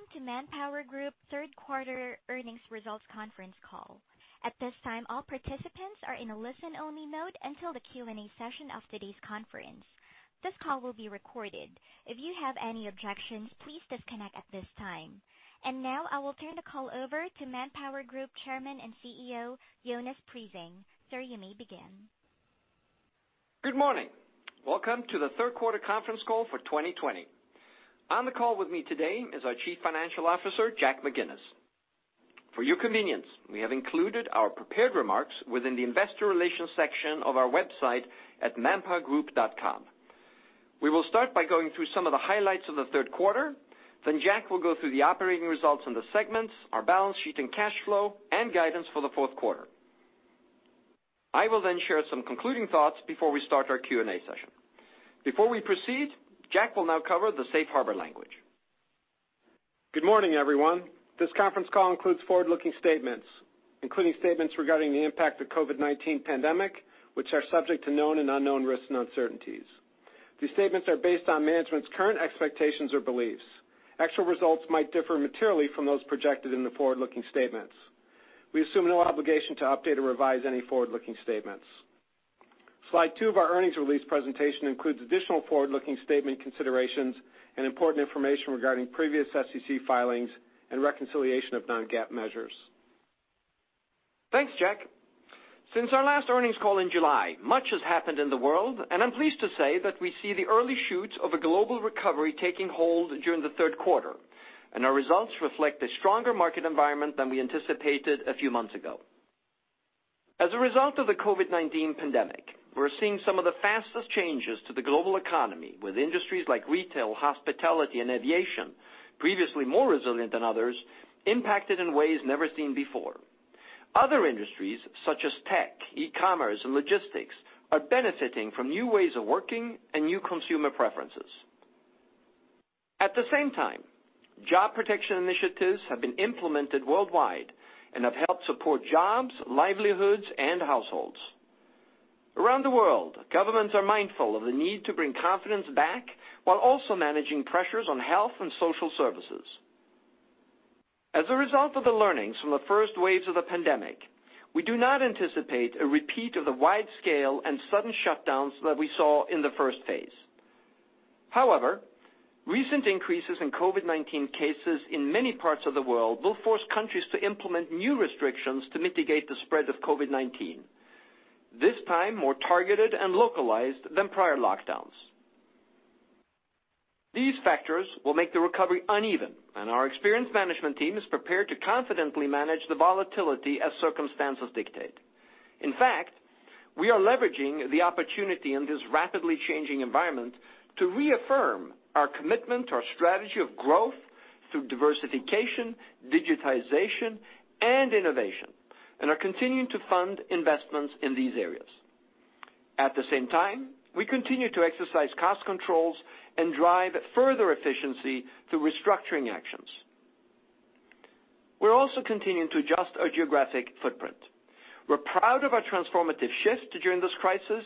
Welcome to ManpowerGroup Third Quarter Earnings Results Conference Call. At this time, all participants are in a listen-only mode until the Q&A session of today's conference. This call will be recorded. If you have any objections, please disconnect at this time. Now I will turn the call over to ManpowerGroup Chairman and CEO, Jonas Prising. Sir, you may begin. Good morning. Welcome to the third quarter conference call for 2020. On the call with me today is our Chief Financial Officer, Jack McGinnis. For your convenience, we have included our prepared remarks within the investor relations section of our website at manpowergroup.com. We will start by going through some of the highlights of the third quarter. Jack will go through the operating results in the segments, our balance sheet and cash flow, and guidance for the fourth quarter. I will then share some concluding thoughts before we start our Q&A session. Before we proceed, Jack will now cover the safe harbor language. Good morning, everyone. This conference call includes forward-looking statements, including statements regarding the impact of COVID-19 pandemic, which are subject to known and unknown risks and uncertainties. These statements are based on management's current expectations or beliefs. Actual results might differ materially from those projected in the forward-looking statements. We assume no obligation to update or revise any forward-looking statements. Slide two of our earnings release presentation includes additional forward-looking statement considerations and important information regarding previous SEC filings and reconciliation of non-GAAP measures. Thanks, Jack. Since our last earnings call in July, much has happened in the world, and I'm pleased to say that we see the early shoots of a global recovery taking hold during the third quarter, and our results reflect a stronger market environment than we anticipated a few months ago. As a result of the COVID-19 pandemic, we're seeing some of the fastest changes to the global economy, with industries like retail, hospitality, and aviation, previously more resilient than others, impacted in ways never seen before. Other industries, such as tech, e-commerce, and logistics, are benefiting from new ways of working and new consumer preferences. At the same time, job protection initiatives have been implemented worldwide and have helped support jobs, livelihoods, and households. Around the world, governments are mindful of the need to bring confidence back while also managing pressures on health and social services. As a result of the learnings from the first waves of the pandemic, we do not anticipate a repeat of the wide-scale and sudden shutdowns that we saw in the first phase. However, recent increases in COVID-19 cases in many parts of the world will force countries to implement new restrictions to mitigate the spread of COVID-19, this time more targeted and localized than prior lockdowns. These factors will make the recovery uneven, and our experienced management team is prepared to confidently manage the volatility as circumstances dictate. In fact, we are leveraging the opportunity in this rapidly changing environment to reaffirm our commitment to our strategy of growth through diversification, digitization, and innovation, and are continuing to fund investments in these areas. At the same time, we continue to exercise cost controls and drive further efficiency through restructuring actions. We're also continuing to adjust our geographic footprint. We're proud of our transformative shift during this crisis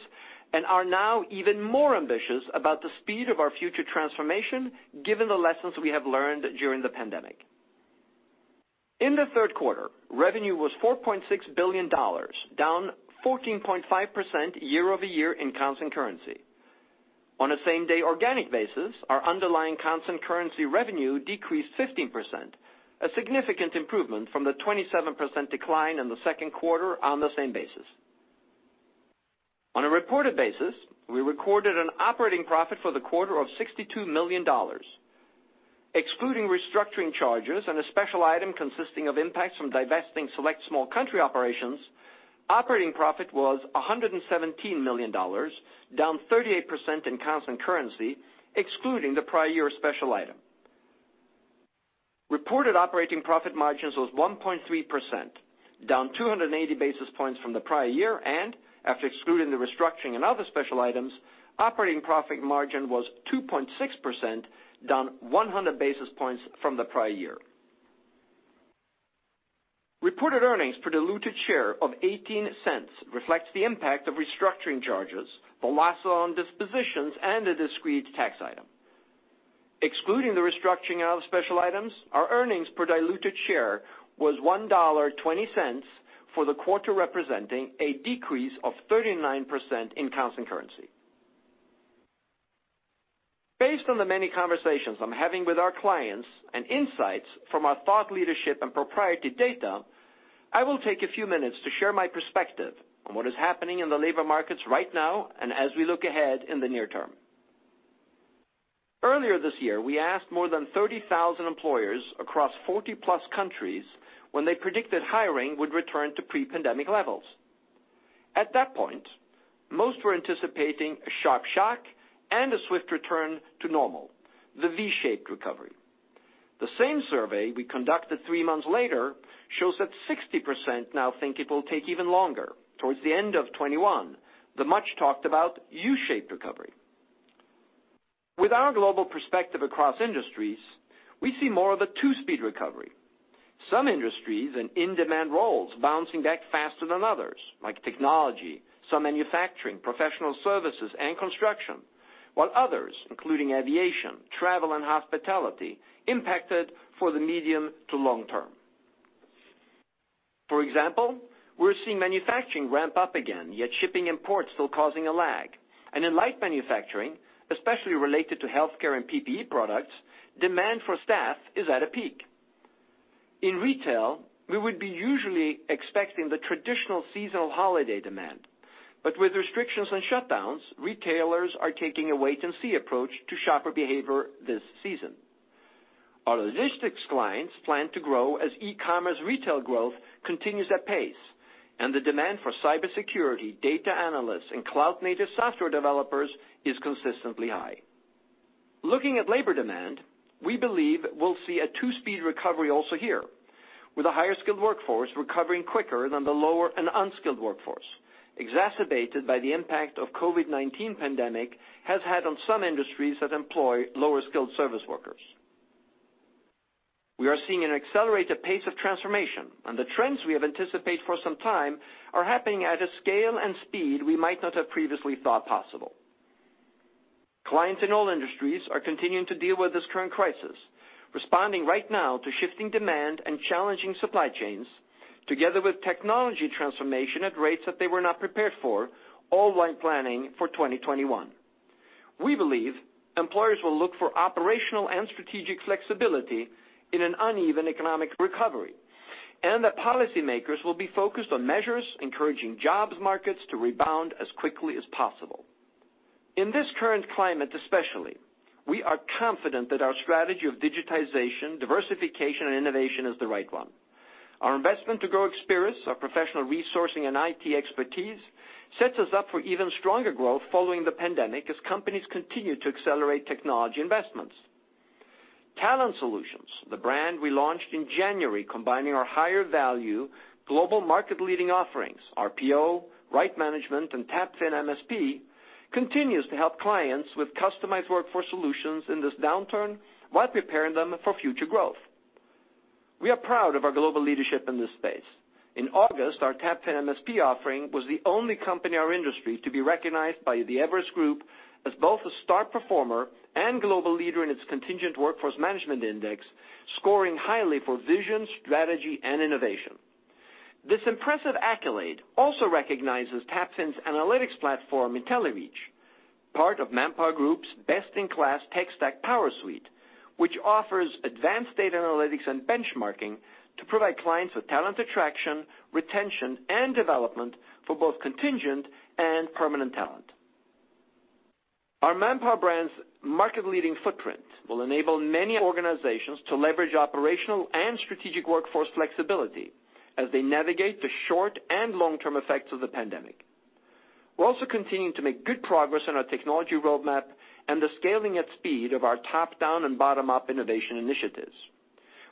and are now even more ambitious about the speed of our future transformation given the lessons we have learned during the pandemic. In the third quarter, revenue was $4.6 billion, down 14.5% year-over-year in constant currency. On a same-day organic basis, our underlying constant currency revenue decreased 15%, a significant improvement from the 27% decline in the second quarter on the same basis. On a reported basis, we recorded an operating profit for the quarter of $62 million. Excluding restructuring charges and a special item consisting of impacts from divesting select small country operations, operating profit was $117 million, down 38% in constant currency, excluding the prior year special item. Reported operating profit margins was 1.3%, down 280 basis points from the prior year, and after excluding the restructuring and other special items, operating profit margin was 2.6%, down 100 basis points from the prior year. Reported earnings per diluted share of $0.18 reflects the impact of restructuring charges, the loss on dispositions, and a discrete tax item. Excluding the restructuring out of special items, our earnings per diluted share was $1.20 for the quarter, representing a decrease of 39% in constant currency. Based on the many conversations I'm having with our clients and insights from our thought leadership and proprietary data, I will take a few minutes to share my perspective on what is happening in the labor markets right now and as we look ahead in the near term. Earlier this year, we asked more than 30,000 employers across 40+ countries when they predicted hiring would return to pre-pandemic levels. At that point, most were anticipating a sharp shock and a swift return to normal, the V-shaped recovery. The same survey we conducted three months later shows that 60% now think it will take even longer, towards the end of 2021, the much-talked-about U-shaped recovery. With our global perspective across industries, we see more of a two-speed recovery. Some industries and in-demand roles bouncing back faster than others, like technology, some manufacturing, professional services, and construction, while others, including aviation, travel, and hospitality, impacted for the medium to long term. For example, we're seeing manufacturing ramp up again, yet shipping and ports still causing a lag. In light manufacturing, especially related to healthcare and PPE products, demand for staff is at a peak. In retail, we would be usually expecting the traditional seasonal holiday demand. With restrictions and shutdowns, retailers are taking a wait and see approach to shopper behavior this season. Our logistics clients plan to grow as e-commerce retail growth continues at pace, and the demand for cybersecurity, data analysts, and cloud native software developers is consistently high. Looking at labor demand, we believe we'll see a two-speed recovery also here, with a higher skilled workforce recovering quicker than the lower and unskilled workforce, exacerbated by the impact of COVID-19 pandemic has had on some industries that employ lower skilled service workers. We are seeing an accelerated pace of transformation, and the trends we have anticipated for some time are happening at a scale and speed we might not have previously thought possible. Clients in all industries are continuing to deal with this current crisis, responding right now to shifting demand and challenging supply chains, together with technology transformation at rates that they were not prepared for, all while planning for 2021. We believe employers will look for operational and strategic flexibility in an uneven economic recovery, and that policymakers will be focused on measures encouraging jobs markets to rebound as quickly as possible. In this current climate especially, we are confident that our strategy of digitization, diversification, and innovation is the right one. Our investment to grow Experis, our professional resourcing and IT expertise, sets us up for even stronger growth following the pandemic as companies continue to accelerate technology investments. Talent Solutions, the brand we launched in January combining our higher value global market leading offerings, RPO, Right Management, and TAPFIN MSP, continues to help clients with customized workforce solutions in this downturn while preparing them for future growth. We are proud of our global leadership in this space. In August, our TAPFIN MSP offering was the only company in our industry to be recognized by the Everest Group as both a star performer and global leader in its contingent workforce management index, scoring highly for vision, strategy, and innovation. This impressive accolade also recognizes TAPFIN's analytics platform, IntelliReach, part of ManpowerGroup's best in class tech stack PowerSuite, which offers advanced data analytics and benchmarking to provide clients with talent attraction, retention, and development for both contingent and permanent talent. Our Manpower brand's market leading footprint will enable many organizations to leverage operational and strategic workforce flexibility as they navigate the short and long term effects of the pandemic. We're also continuing to make good progress on our technology roadmap and the scaling at speed of our top-down and bottom-up innovation initiatives.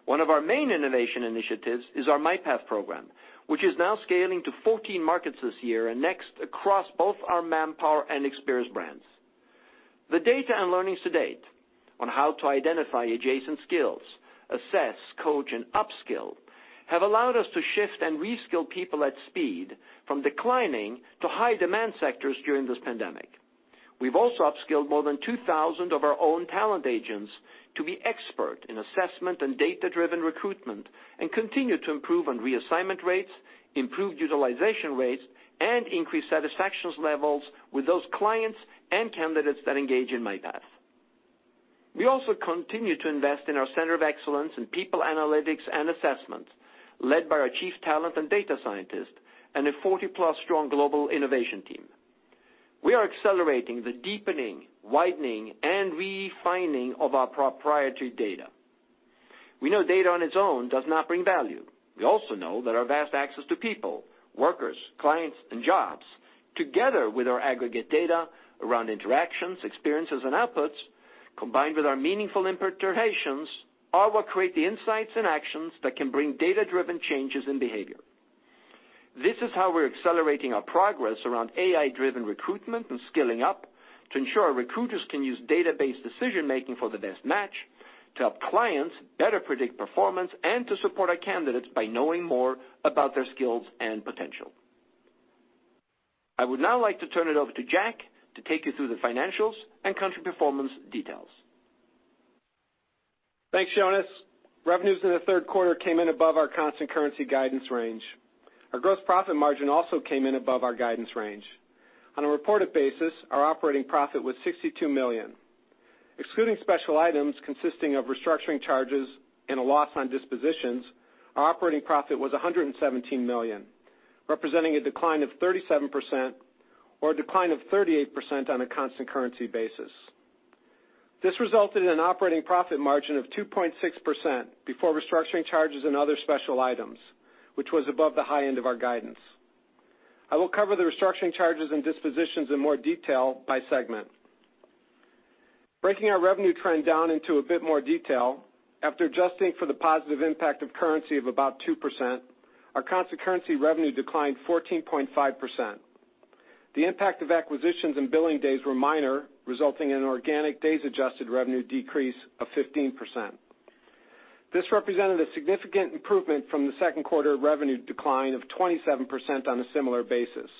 One of our main innovation initiatives is our MyPath program, which is now scaling to 14 markets this year and next across both our Manpower and Experis brands. The data and learnings to date on how to identify adjacent skills, assess, coach, and upskill, have allowed us to shift and reskill people at speed from declining to high demand sectors during this pandemic. We've also upskilled more than 2,000 of our own talent agents to be expert in assessment and data-driven recruitment, and continue to improve on reassignment rates, improved utilization rates, and increase satisfaction levels with those clients and candidates that engage in MyPath. We also continue to invest in our center of excellence in people analytics and assessments led by our chief talent and data scientist and a 40+ strong global innovation team. We are accelerating the deepening, widening, and refining of our proprietary data. We know data on its own does not bring value. We also know that our vast access to people, workers, clients, and jobs, together with our aggregate data around interactions, experiences, and outputs, combined with our meaningful interpretations, are what create the insights and actions that can bring data-driven changes in behavior. This is how we're accelerating our progress around AI-driven recruitment and skilling up to ensure recruiters can use data-based decision making for the best match, to help clients better predict performance, and to support our candidates by knowing more about their skills and potential. I would now like to turn it over to Jack to take you through the financials and country performance details. Thanks, Jonas. Revenues in the third quarter came in above our constant currency guidance range. Our gross profit margin also came in above our guidance range. On a reported basis, our operating profit was $62 million. Excluding special items consisting of restructuring charges and a loss on dispositions, our operating profit was $117 million, representing a decline of 37% or a decline of 38% on a constant currency basis. This resulted in an operating profit margin of 2.6% before restructuring charges and other special items, which was above the high end of our guidance. I will cover the restructuring charges and dispositions in more detail by segment. Breaking our revenue trend down into a bit more detail, after adjusting for the positive impact of currency of about 2%, our constant currency revenue declined 14.5%. The impact of acquisitions and billing days were minor, resulting in an organic days adjusted revenue decrease of 15%. This represented a significant improvement from the second quarter revenue decline of 27% on a similar basis.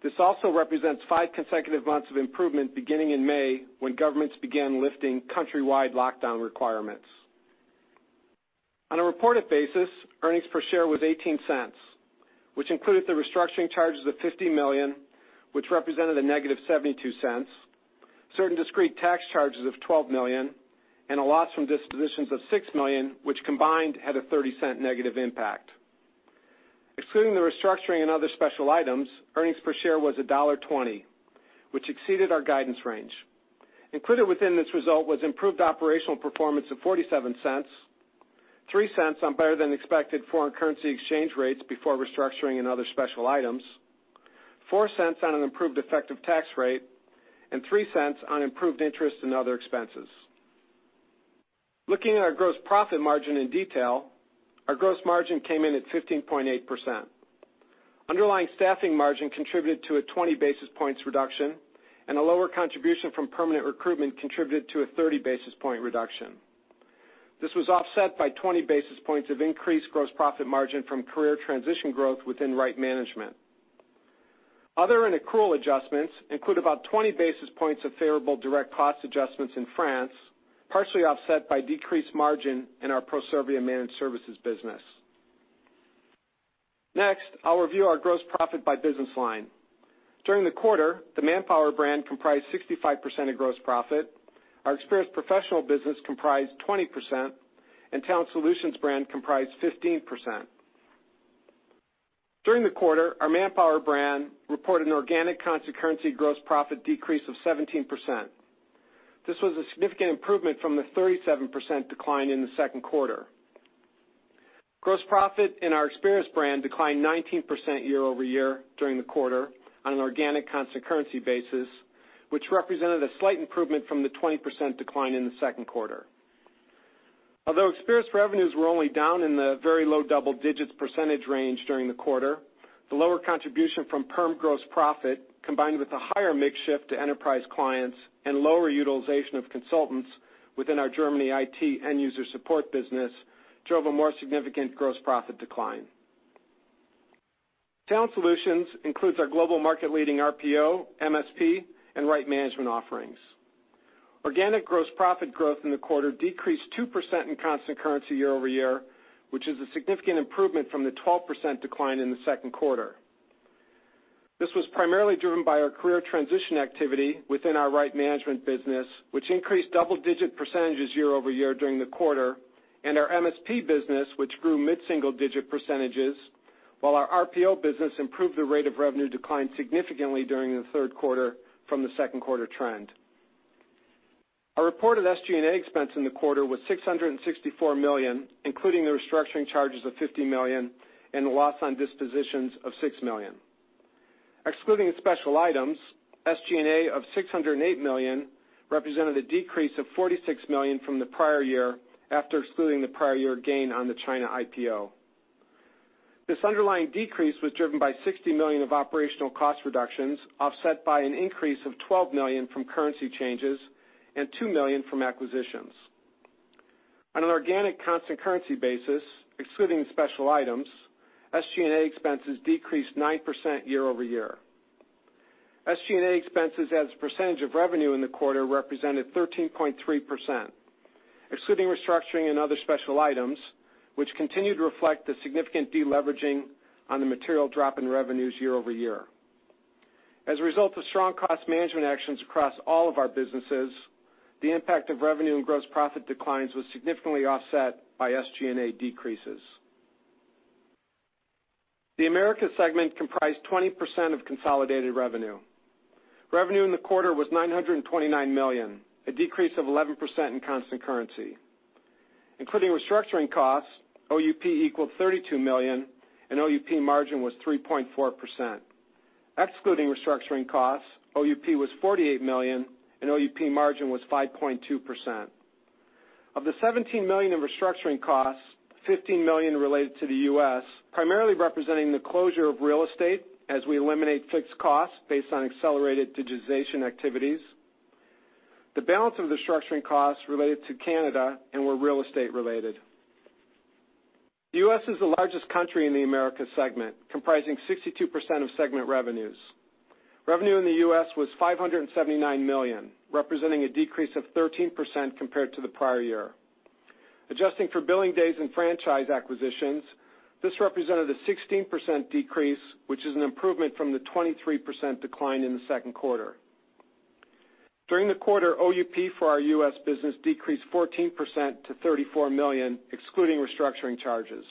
This also represents five consecutive months of improvement beginning in May, when governments began lifting country-wide lockdown requirements. On a reported basis, earnings per share was $0.18, which included the restructuring charges of $50 million, which represented a -$0.72, certain discrete tax charges of $12 million, and a loss from dispositions of $6 million, which combined had a $0.30 negative impact. Excluding the restructuring and other special items, earnings per share was $1.20, which exceeded our guidance range. Included within this result was improved operational performance of $0.47, $0.03 on better than expected foreign currency exchange rates before restructuring and other special items, $0.04 on an improved effective tax rate, and $0.03 on improved interest and other expenses. Looking at our gross profit margin in detail, our gross margin came in at 15.8%. Underlying staffing margin contributed to a 20 basis points reduction, and a lower contribution from permanent recruitment contributed to a 30 basis point reduction. This was offset by 20 basis points of increased gross profit margin from career transition growth within Right Management. Other and accrual adjustments include about 20 basis points of favorable direct cost adjustments in France, partially offset by decreased margin in our Proservia Managed Services business. Next, I'll review our gross profit by business line. During the quarter, the Manpower brand comprised 65% of gross profit, our Experis professional business comprised 20%, and Talent Solutions brand comprised 15%. During the quarter, our Manpower brand reported an organic constant currency gross profit decrease of 17%. This was a significant improvement from the 37% decline in the second quarter. Gross profit in our Experis brand declined 19% year-over-year during the quarter on an organic constant currency basis, which represented a slight improvement from the 20% decline in the second quarter. Although Experis revenues were only down in the very low double digits percentage range during the quarter, the lower contribution from perm gross profit, combined with a higher mix shift to enterprise clients and lower utilization of consultants within our Germany IT end user support business, drove a more significant gross profit decline. Talent Solutions includes our global market leading RPO, MSP, and Right Management offerings. Organic gross profit growth in the quarter decreased 2% in constant currency year-over-year, which is a significant improvement from the 12% decline in the second quarter. This was primarily driven by our career transition activity within our Right Management business, which increased double-digit percentages year-over-year during the quarter, and our MSP business, which grew mid-single-digit percentages, while our RPO business improved the rate of revenue decline significantly during the third quarter from the second quarter trend. Our reported SG&A expense in the quarter was $664 million, including the restructuring charges of $50 million and the loss on dispositions of $6 million. Excluding the special items, SG&A of $608 million represented a decrease of $46 million from the prior year after excluding the prior year gain on the China IPO. This underlying decrease was driven by $60 million of operational cost reductions, offset by an increase of $12 million from currency changes and $2 million from acquisitions. On an organic constant currency basis, excluding special items, SG&A expenses decreased 9% year-over-year. SG&A expenses as a percentage of revenue in the quarter represented 13.3%, excluding restructuring and other special items, which continue to reflect the significant de-leveraging on the material drop in revenues year-over-year. As a result of strong cost management actions across all of our businesses, the impact of revenue and gross profit declines was significantly offset by SG&A decreases. The Americas segment comprised 20% of consolidated revenue. Revenue in the quarter was $929 million, a decrease of 11% in constant currency. Including restructuring costs, OUP equaled $32 million, and OUP margin was 3.4%. Excluding restructuring costs, OUP was $48 million, and OUP margin was 5.2%. Of the $17 million in restructuring costs, $15 million related to the U.S., primarily representing the closure of real estate as we eliminate fixed costs based on accelerated digitization activities. The balance of the restructuring costs related to Canada and were real estate related. The U.S. is the largest country in the Americas segment, comprising 62% of segment revenues. Revenue in the U.S. was $579 million, representing a decrease of 13% compared to the prior year. Adjusting for billing days and franchise acquisitions, this represented a 16% decrease, which is an improvement from the 23% decline in the second quarter. During the quarter, OUP for our U.S. business decreased 14% to $34 million, excluding restructuring charges.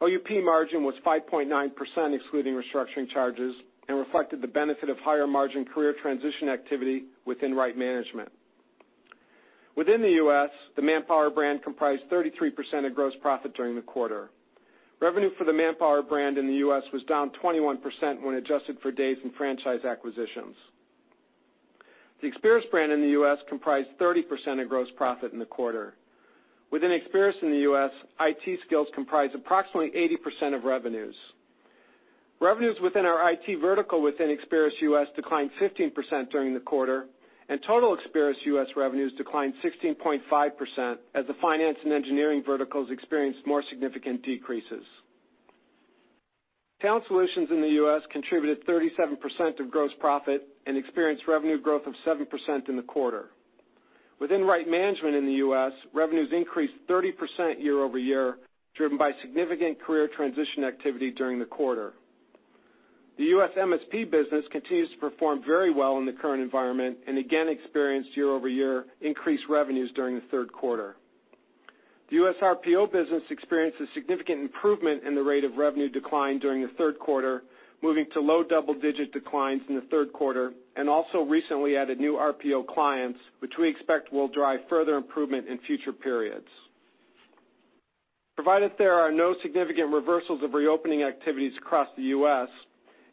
OUP margin was 5.9%, excluding restructuring charges, and reflected the benefit of higher margin career transition activity within Right Management. Within the U.S., the Manpower brand comprised 33% of gross profit during the quarter. Revenue for the Manpower brand in the U.S. was down 21% when adjusted for days and franchise acquisitions. The Experis brand in the U.S. comprised 30% of gross profit in the quarter. Within Experis in the U.S., IT skills comprise approximately 80% of revenues. Revenues within our IT vertical within Experis U.S. declined 15% during the quarter, and total Experis U.S. revenues declined 16.5% as the finance and engineering verticals experienced more significant decreases. Talent Solutions in the U.S. contributed 37% of gross profit and experienced revenue growth of 7% in the quarter. Within Right Management in the U.S., revenues increased 30% year-over-year, driven by significant career transition activity during the quarter. The U.S. MSP business continues to perform very well in the current environment and again experienced year-over-year increased revenues during the third quarter. The U.S. RPO business experienced a significant improvement in the rate of revenue decline during the third quarter, moving to low double-digit declines in the third quarter and also recently added new RPO clients, which we expect will drive further improvement in future periods. Provided there are no significant reversals of reopening activities across the U.S.,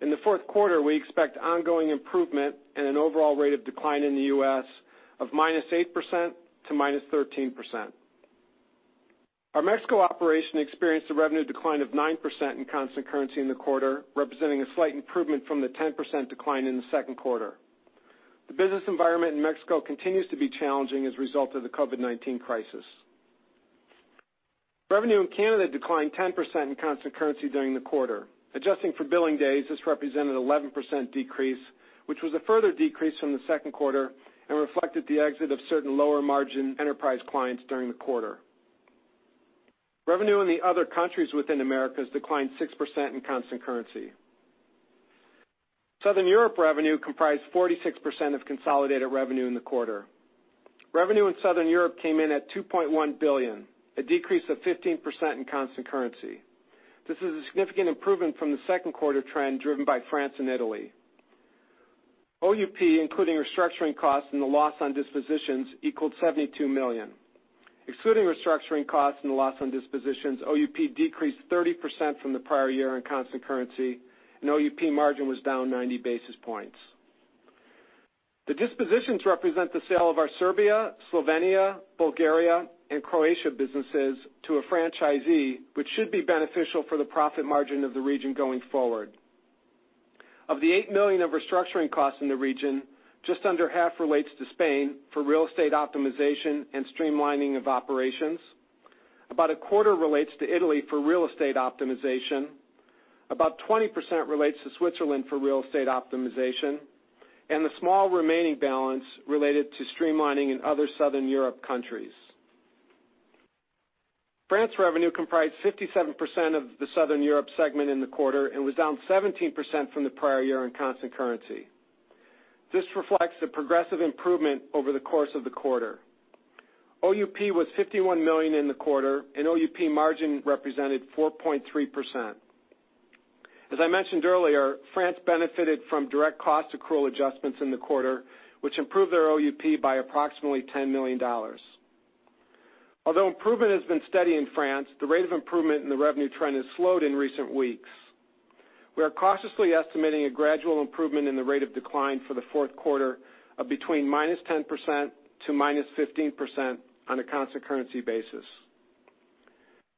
in the fourth quarter, we expect ongoing improvement and an overall rate of decline in the U.S. of -8% to -13%. Our Mexico operation experienced a revenue decline of 9% in constant currency in the quarter, representing a slight improvement from the 10% decline in the second quarter. The business environment in Mexico continues to be challenging as a result of the COVID-19 crisis. Revenue in Canada declined 10% in constant currency during the quarter. Adjusting for billing days, this represented 11% decrease, which was a further decrease from the second quarter and reflected the exit of certain lower margin enterprise clients during the quarter. Revenue in the other countries within Americas declined 6% in constant currency. Southern Europe revenue comprised 46% of consolidated revenue in the quarter. Revenue in Southern Europe came in at $2.1 billion, a decrease of 15% in constant currency. This is a significant improvement from the second quarter trend driven by France and Italy. OUP, including restructuring costs and the loss on dispositions, equaled $72 million. Excluding restructuring costs and the loss on dispositions, OUP decreased 30% from the prior year in constant currency, and OUP margin was down 90 basis points. The dispositions represent the sale of our Serbia, Slovenia, Bulgaria, and Croatia businesses to a franchisee, which should be beneficial for the profit margin of the region going forward. Of the $8 million of restructuring costs in the region, just under half relates to Spain for real estate optimization and streamlining of operations. About a quarter relates to Italy for real estate optimization. About 20% relates to Switzerland for real estate optimization. The small remaining balance related to streamlining in other Southern Europe countries. France revenue comprised 57% of the Southern Europe segment in the quarter and was down 17% from the prior year in constant currency. This reflects a progressive improvement over the course of the quarter. OUP was $51 million in the quarter, and OUP margin represented 4.3%. As I mentioned earlier, France benefited from direct cost accrual adjustments in the quarter, which improved their OUP by approximately $10 million. Although improvement has been steady in France, the rate of improvement in the revenue trend has slowed in recent weeks. We are cautiously estimating a gradual improvement in the rate of decline for the fourth quarter of between -10% to -15% on a constant currency basis.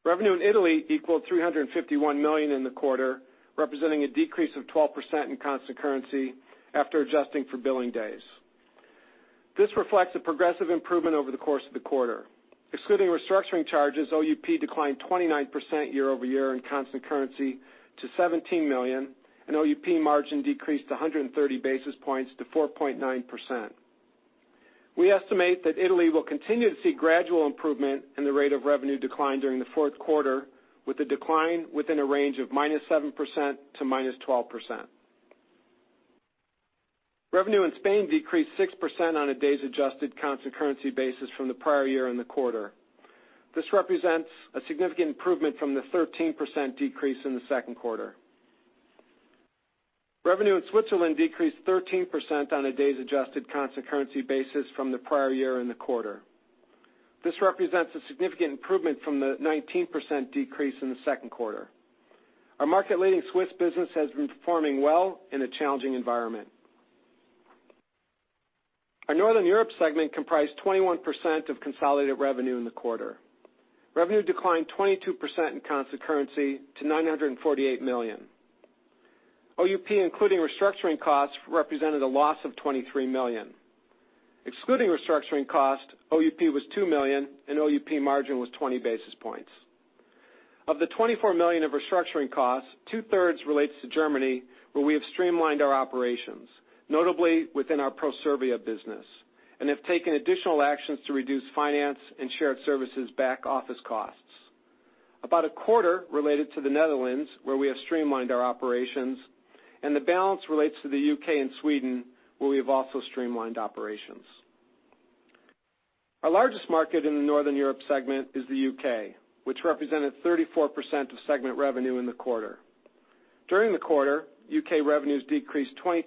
Revenue in Italy equaled $351 million in the quarter, representing a decrease of 12% in constant currency after adjusting for billing days. This reflects a progressive improvement over the course of the quarter. Excluding restructuring charges, OUP declined 29% year-over-year in constant currency to $17 million, and OUP margin decreased 130 basis points to 4.9%. We estimate that Italy will continue to see gradual improvement in the rate of revenue decline during the fourth quarter, with a decline within a range of -7% to -12%. Revenue in Spain decreased 6% on a days adjusted constant currency basis from the prior year in the quarter. This represents a significant improvement from the 13% decrease in the second quarter. Revenue in Switzerland decreased 13% on a days adjusted constant currency basis from the prior year in the quarter. This represents a significant improvement from the 19% decrease in the second quarter. Our market-leading Swiss business has been performing well in a challenging environment. Our Northern Europe segment comprised 21% of consolidated revenue in the quarter. Revenue declined 22% in constant currency to $948 million. OUP, including restructuring costs, represented a loss of $23 million. Excluding restructuring cost, OUP was $2 million, and OUP margin was 20 basis points. Of the $24 million of restructuring costs, two-thirds relates to Germany, where we have streamlined our operations, notably within our Proservia business and have taken additional actions to reduce finance and shared services back-office costs. About a quarter related to the Netherlands, where we have streamlined our operations, and the balance relates to the U.K. and Sweden, where we have also streamlined operations. Our largest market in the Northern Europe segment is the U.K., which represented 34% of segment revenue in the quarter. During the quarter, U.K. revenues decreased 22%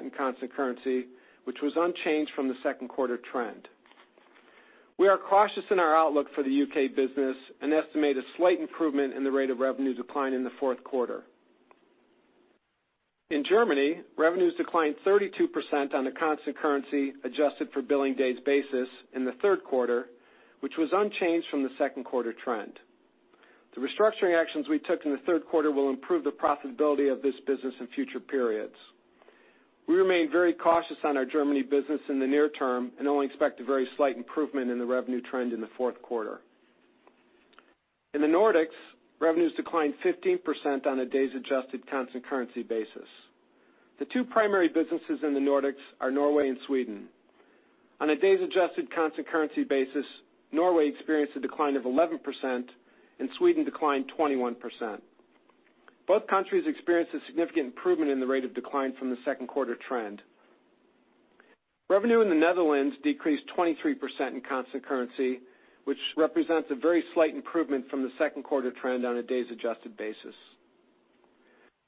in constant currency, which was unchanged from the second quarter trend. We are cautious in our outlook for the U.K. business, and estimate a slight improvement in the rate of revenues decline in the fourth quarter. In Germany, revenues declined 32% on a constant currency adjusted for billing days basis in the third quarter, which was unchanged from the second quarter trend. The restructuring actions we took in the third quarter will improve the profitability of this business in future periods. We remain very cautious on our Germany business in the near term, and only expect a very slight improvement in the revenue trend in the fourth quarter. In the Nordics, revenues declined 15% on a days-adjusted constant currency basis. The two primary businesses in the Nordics are Norway and Sweden. On a days-adjusted constant currency basis, Norway experienced a decline of 11%, and Sweden declined 21%. Both countries experienced a significant improvement in the rate of decline from the second quarter trend. Revenue in the Netherlands decreased 23% in constant currency, which represents a very slight improvement from the second quarter trend on a days-adjusted basis.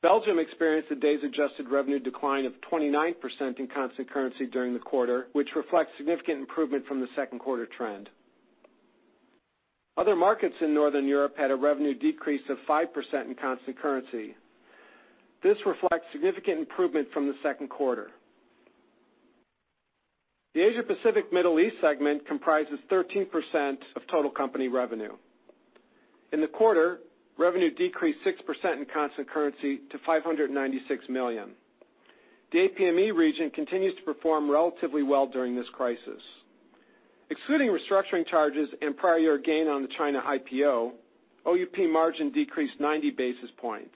Belgium experienced a days-adjusted revenue decline of 29% in constant currency during the quarter, which reflects significant improvement from the second quarter trend. Other markets in Northern Europe had a revenue decrease of 5% in constant currency. This reflects significant improvement from the second quarter. The Asia-Pacific Middle East segment comprises 13% of total company revenue. In the quarter, revenue decreased 6% in constant currency to $596 million. The APME region continues to perform relatively well during this crisis. Excluding restructuring charges and prior year gain on the China IPO, OUP margin decreased 90 basis points.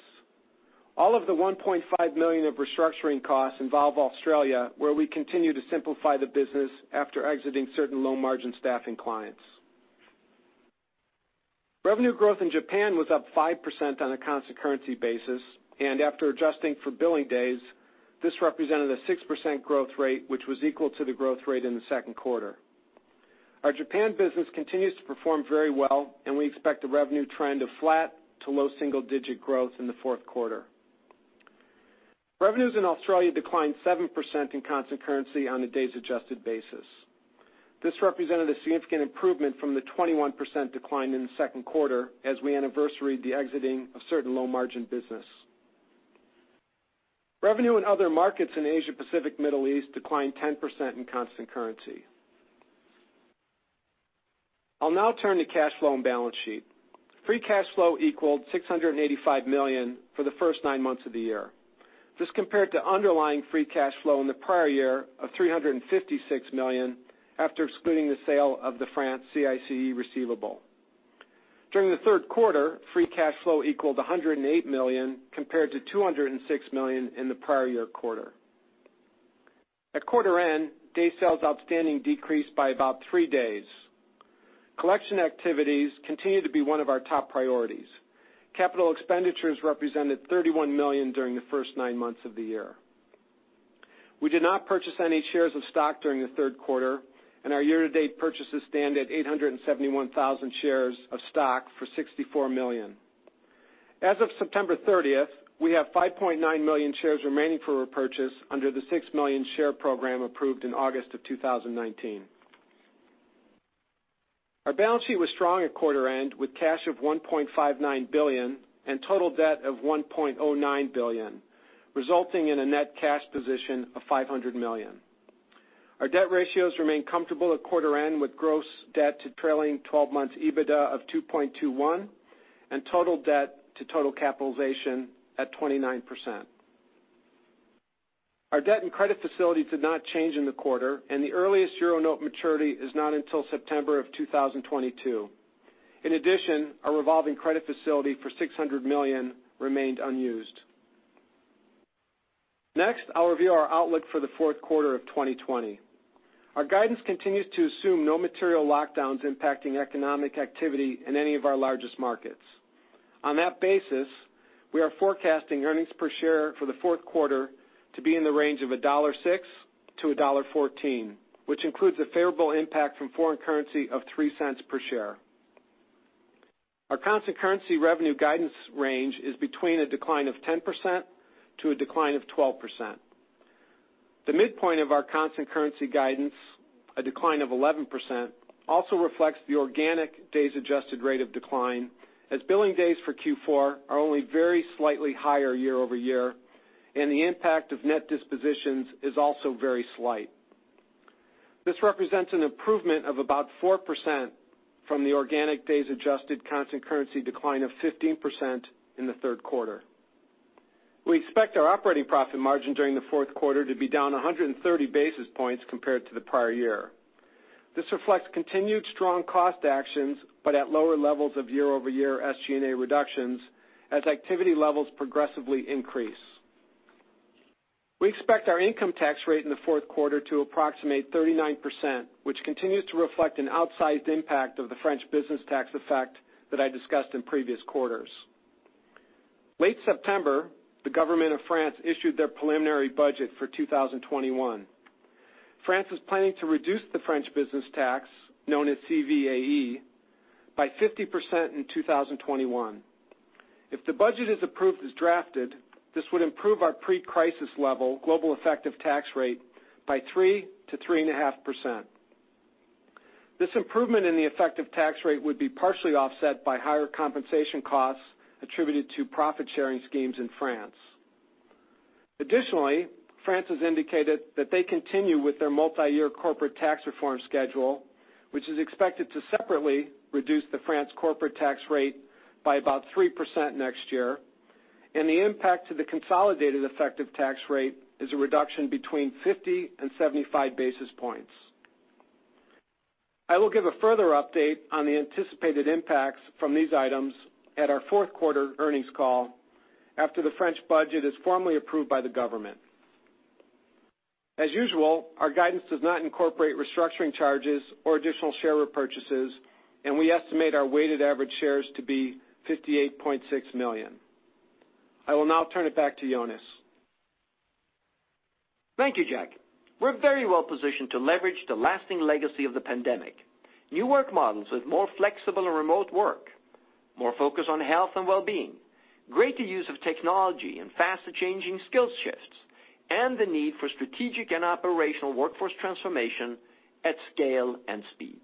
All of the $1.5 million of restructuring costs involve Australia, where we continue to simplify the business after exiting certain low-margin staffing clients. Revenue growth in Japan was up 5% on a constant currency basis, and after adjusting for billing days, this represented a 6% growth rate, which was equal to the growth rate in the second quarter. Our Japan business continues to perform very well, and we expect the revenue trend of flat to low single-digit growth in the fourth quarter. Revenues in Australia declined 7% in constant currency on a days-adjusted basis. This represented a significant improvement from the 21% decline in the second quarter as we anniversaried the exiting of certain low-margin business. Revenue in other markets in Asia-Pacific Middle East declined 10% in constant currency. I'll now turn to cash flow and balance sheet. Free cash flow equaled $685 million for the first nine months of the year. This compared to underlying free cash flow in the prior year of $356 million after excluding the sale of the France CICE receivable. During the third quarter, free cash flow equaled $108 million compared to $206 million in the prior year quarter. At quarter end, day sales outstanding decreased by about three days. Collection activities continue to be one of our top priorities. Capital expenditures represented $31 million during the first nine months of the year. We did not purchase any shares of stock during the third quarter, and our year-to-date purchases stand at 871,000 shares of stock for $64 million. As of September 30th, we have 5.9 million shares remaining for repurchase under the 6 million share program approved in August 2019. Our balance sheet was strong at quarter end with cash of $1.59 billion and total debt of $1.09 billion, resulting in a net cash position of $500 million. Our debt ratios remain comfortable at quarter end with gross debt to trailing 12 months EBITDA of 2.21x and total debt to total capitalization at 29%. Our debt and credit facility did not change in the quarter, and the earliest euro note maturity is not until September of 2022. In addition, our revolving credit facility for $600 million remained unused. Next, I'll review our outlook for the fourth quarter of 2020. Our guidance continues to assume no material lockdowns impacting economic activity in any of our largest markets. On that basis, we are forecasting earnings per share for the fourth quarter to be in the range of $1.06 to $1.14, which includes a favorable impact from foreign currency of $0.03 per share. Our constant currency revenue guidance range is between a decline of 10% to a decline of 12%. The midpoint of our constant currency guidance, a decline of 11%, also reflects the organic days adjusted rate of decline, as billing days for Q4 are only very slightly higher year-over-year, and the impact of net dispositions is also very slight. This represents an improvement of about 4% from the organic days adjusted constant currency decline of 15% in the third quarter. We expect our operating profit margin during the fourth quarter to be down 130 basis points compared to the prior year. This reflects continued strong cost actions, but at lower levels of year-over-year SG&A reductions as activity levels progressively increase. We expect our income tax rate in the fourth quarter to approximate 39%, which continues to reflect an outsized impact of the French business tax effect that I discussed in previous quarters. Late September, the government of France issued their preliminary budget for 2021. France is planning to reduce the French business tax, known as CVAE, by 50% in 2021. If the budget is approved as drafted, this would improve our pre-crisis-level global effective tax rate by 3%-3.5%. This improvement in the effective tax rate would be partially offset by higher compensation costs attributed to profit-sharing schemes in France. Additionally, France has indicated that they continue with their multi-year corporate tax reform schedule, which is expected to separately reduce the France corporate tax rate by about 3% next year, and the impact to the consolidated effective tax rate is a reduction between 50 and 75 basis points. I will give a further update on the anticipated impacts from these items at our fourth quarter earnings call after the French budget is formally approved by the government. As usual, our guidance does not incorporate restructuring charges or additional share repurchases, and we estimate our weighted average shares to be 58.6 million. I will now turn it back to Jonas. Thank you, Jack. We're very well positioned to leverage the lasting legacy of the pandemic. New work models with more flexible and remote work, more focus on health and wellbeing, greater use of technology and faster changing skills shifts, and the need for strategic and operational workforce transformation at scale and speed.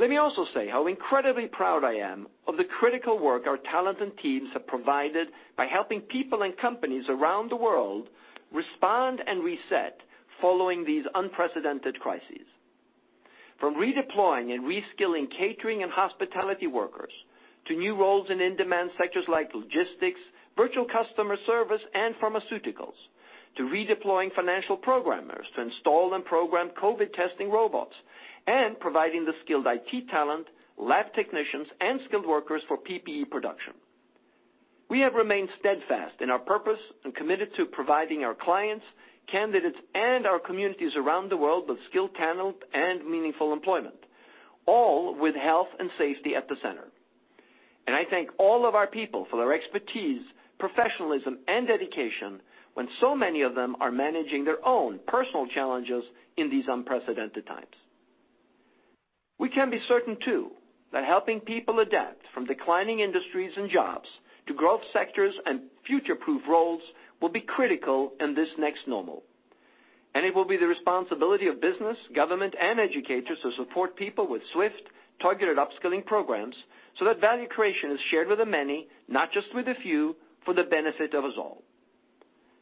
Let me also say how incredibly proud I am of the critical work our talented teams have provided by helping people and companies around the world respond and reset following these unprecedented crises. From redeploying and reskilling catering and hospitality workers to new roles in in-demand sectors like logistics, virtual customer service, and pharmaceuticals, to redeploying financial programmers to install and program COVID testing robots, and providing the skilled IT talent, lab technicians, and skilled workers for PPE production. We have remained steadfast in our purpose and committed to providing our clients, candidates, and our communities around the world with skilled talent and meaningful employment, all with health and safety at the center. I thank all of our people for their expertise, professionalism, and dedication when so many of them are managing their own personal challenges in these unprecedented times. We can be certain, too, that helping people adapt from declining industries and jobs to growth sectors and future-proof roles will be critical in this next normal. It will be the responsibility of business, government, and educators to support people with swift, targeted upskilling programs so that value creation is shared with the many, not just with the few, for the benefit of us all.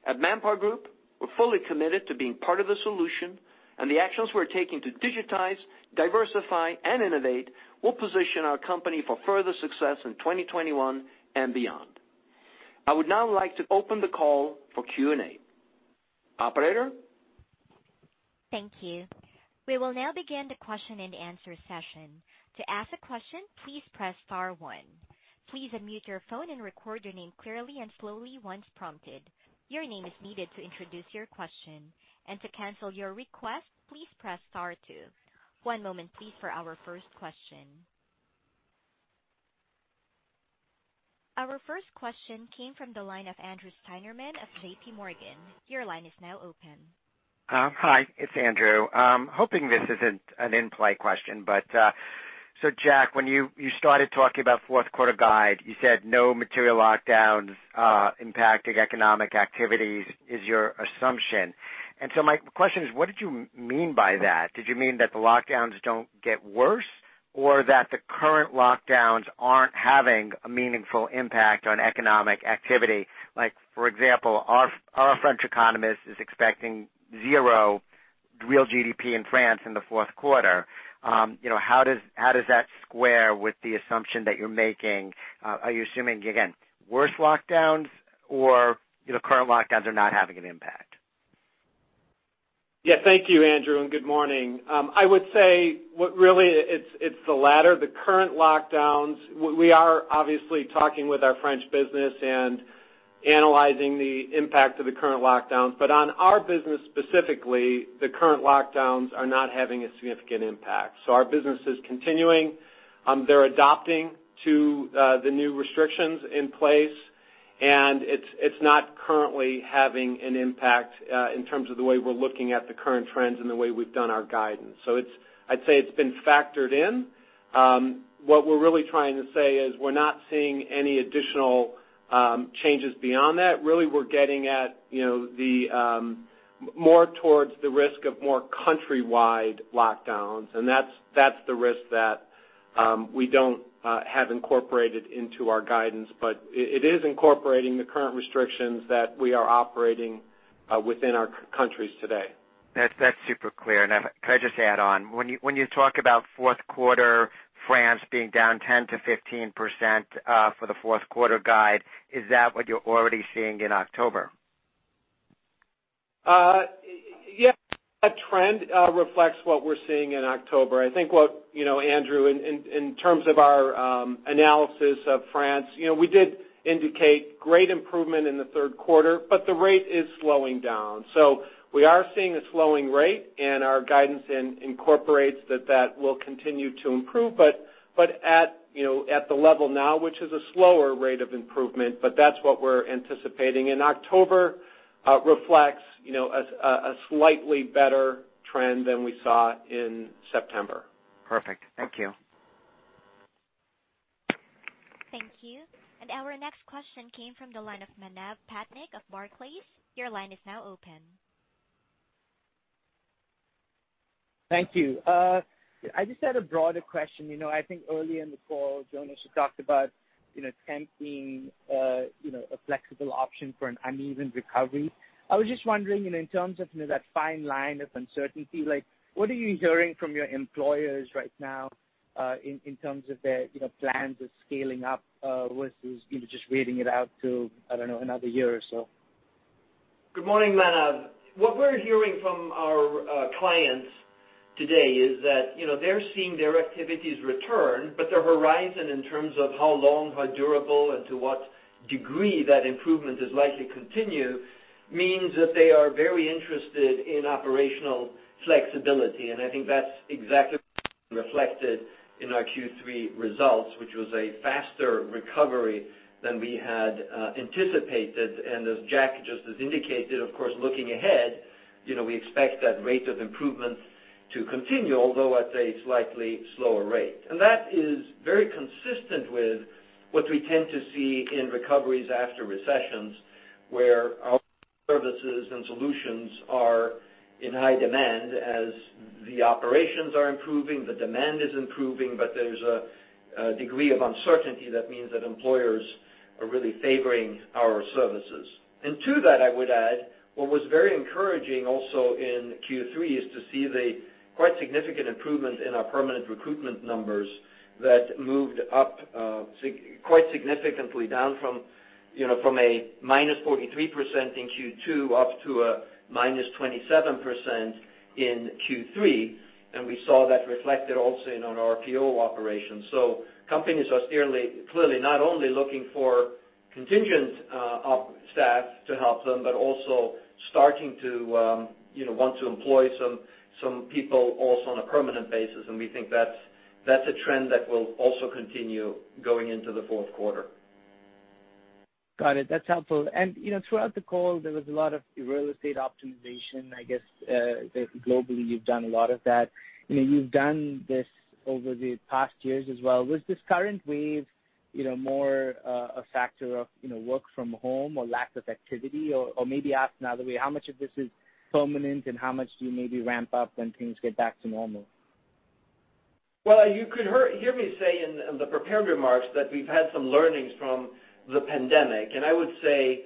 At ManpowerGroup, we're fully committed to being part of the solution, and the actions we're taking to digitize, diversify, and innovate will position our company for further success in 2021 and beyond. I would now like to open the call for Q&A. Operator? Thank you. We will now begin the question and answer session. To ask a question, please press star one. Please unmute your phone and record your name slowly and clearly once prompted. Your name is needed to introduce your question. To cancel your request, please press star two. One moment, please, for our first question. Our first question came from the line of Andrew Steinerman of JPMorgan. Hi, it's Andrew. Hoping this isn't an in-play question. Jack, when you started talking about fourth quarter guide, you said no material lockdowns impacting economic activities is your assumption. My question is, what did you mean by that? Did you mean that the lockdowns don't get worse or that the current lockdowns aren't having a meaningful impact on economic activity? For example, our French economist is expecting zero real GDP in France in the fourth quarter. How does that square with the assumption that you're making? Are you assuming, again, worse lockdowns or current lockdowns are not having an impact? Thank you, Andrew, good morning. I would say really it's the latter. The current lockdowns, we are obviously talking with our French business and analyzing the impact of the current lockdowns. On our business specifically, the current lockdowns are not having a significant impact. Our business is continuing. They're adapting to the new restrictions in place, and it's not currently having an impact in terms of the way we're looking at the current trends and the way we've done our guidance. I'd say it's been factored in. What we're really trying to say is we're not seeing any additional changes beyond that. Really, we're getting more towards the risk of more countrywide lockdowns, and that's the risk that we don't have incorporated into our guidance. It is incorporating the current restrictions that we are operating within our countries today. That's super clear. Could I just add on, when you talk about fourth quarter France being down 10%-15% for the fourth quarter guide, is that what you're already seeing in October? Yes, that trend reflects what we're seeing in October. I think what, Andrew, in terms of our analysis of France, we did indicate great improvement in the third quarter, but the rate is slowing down. We are seeing a slowing rate, and our guidance incorporates that that will continue to improve, but at the level now, which is a slower rate of improvement, but that's what we're anticipating in October. Reflects a slightly better trend than we saw in September. Perfect. Thank you. Thank you. Our next question came from the line of Manav Patnaik of Barclays. Your line is now open. Thank you. I just had a broader question. I think earlier in the call, Jonas, you talked about temp being a flexible option for an uneven recovery. I was just wondering in terms of that fine line of uncertainty, what are you hearing from your employers right now, in terms of their plans of scaling up, versus just waiting it out to, I don't know, another year or so? Good morning, Manav. What we're hearing from our clients today is that they're seeing their activities return, but their horizon in terms of how long, how durable, and to what degree that improvement is likely to continue means that they are very interested in operational flexibility. I think that's exactly reflected in our Q3 results, which was a faster recovery than we had anticipated. As Jack just has indicated, of course, looking ahead, we expect that rate of improvement to continue, although at a slightly slower rate. That is very consistent with what we tend to see in recoveries after recessions, where our services and solutions are in high demand as the operations are improving, the demand is improving, but there's a degree of uncertainty that means that employers are really favoring our services. To that, I would add, what was very encouraging also in Q3 is to see the quite significant improvement in our permanent recruitment numbers that moved up quite significantly down from a -43% in Q2 up to a -27% in Q3. We saw that reflected also in on our RPO operations. Companies are clearly not only looking for contingent staff to help them, but also starting to want to employ some people also on a permanent basis. We think that's a trend that will also continue going into the fourth quarter. Got it. That's helpful. Throughout the call, there was a lot of real estate optimization, I guess, globally, you've done a lot of that. You've done this over the past years as well. Was this current wave more a factor of work from home or lack of activity? Or maybe asked another way, how much of this is permanent and how much do you maybe ramp up when things get back to normal? Well, you could hear me say in the prepared remarks that we've had some learnings from the pandemic, and I would say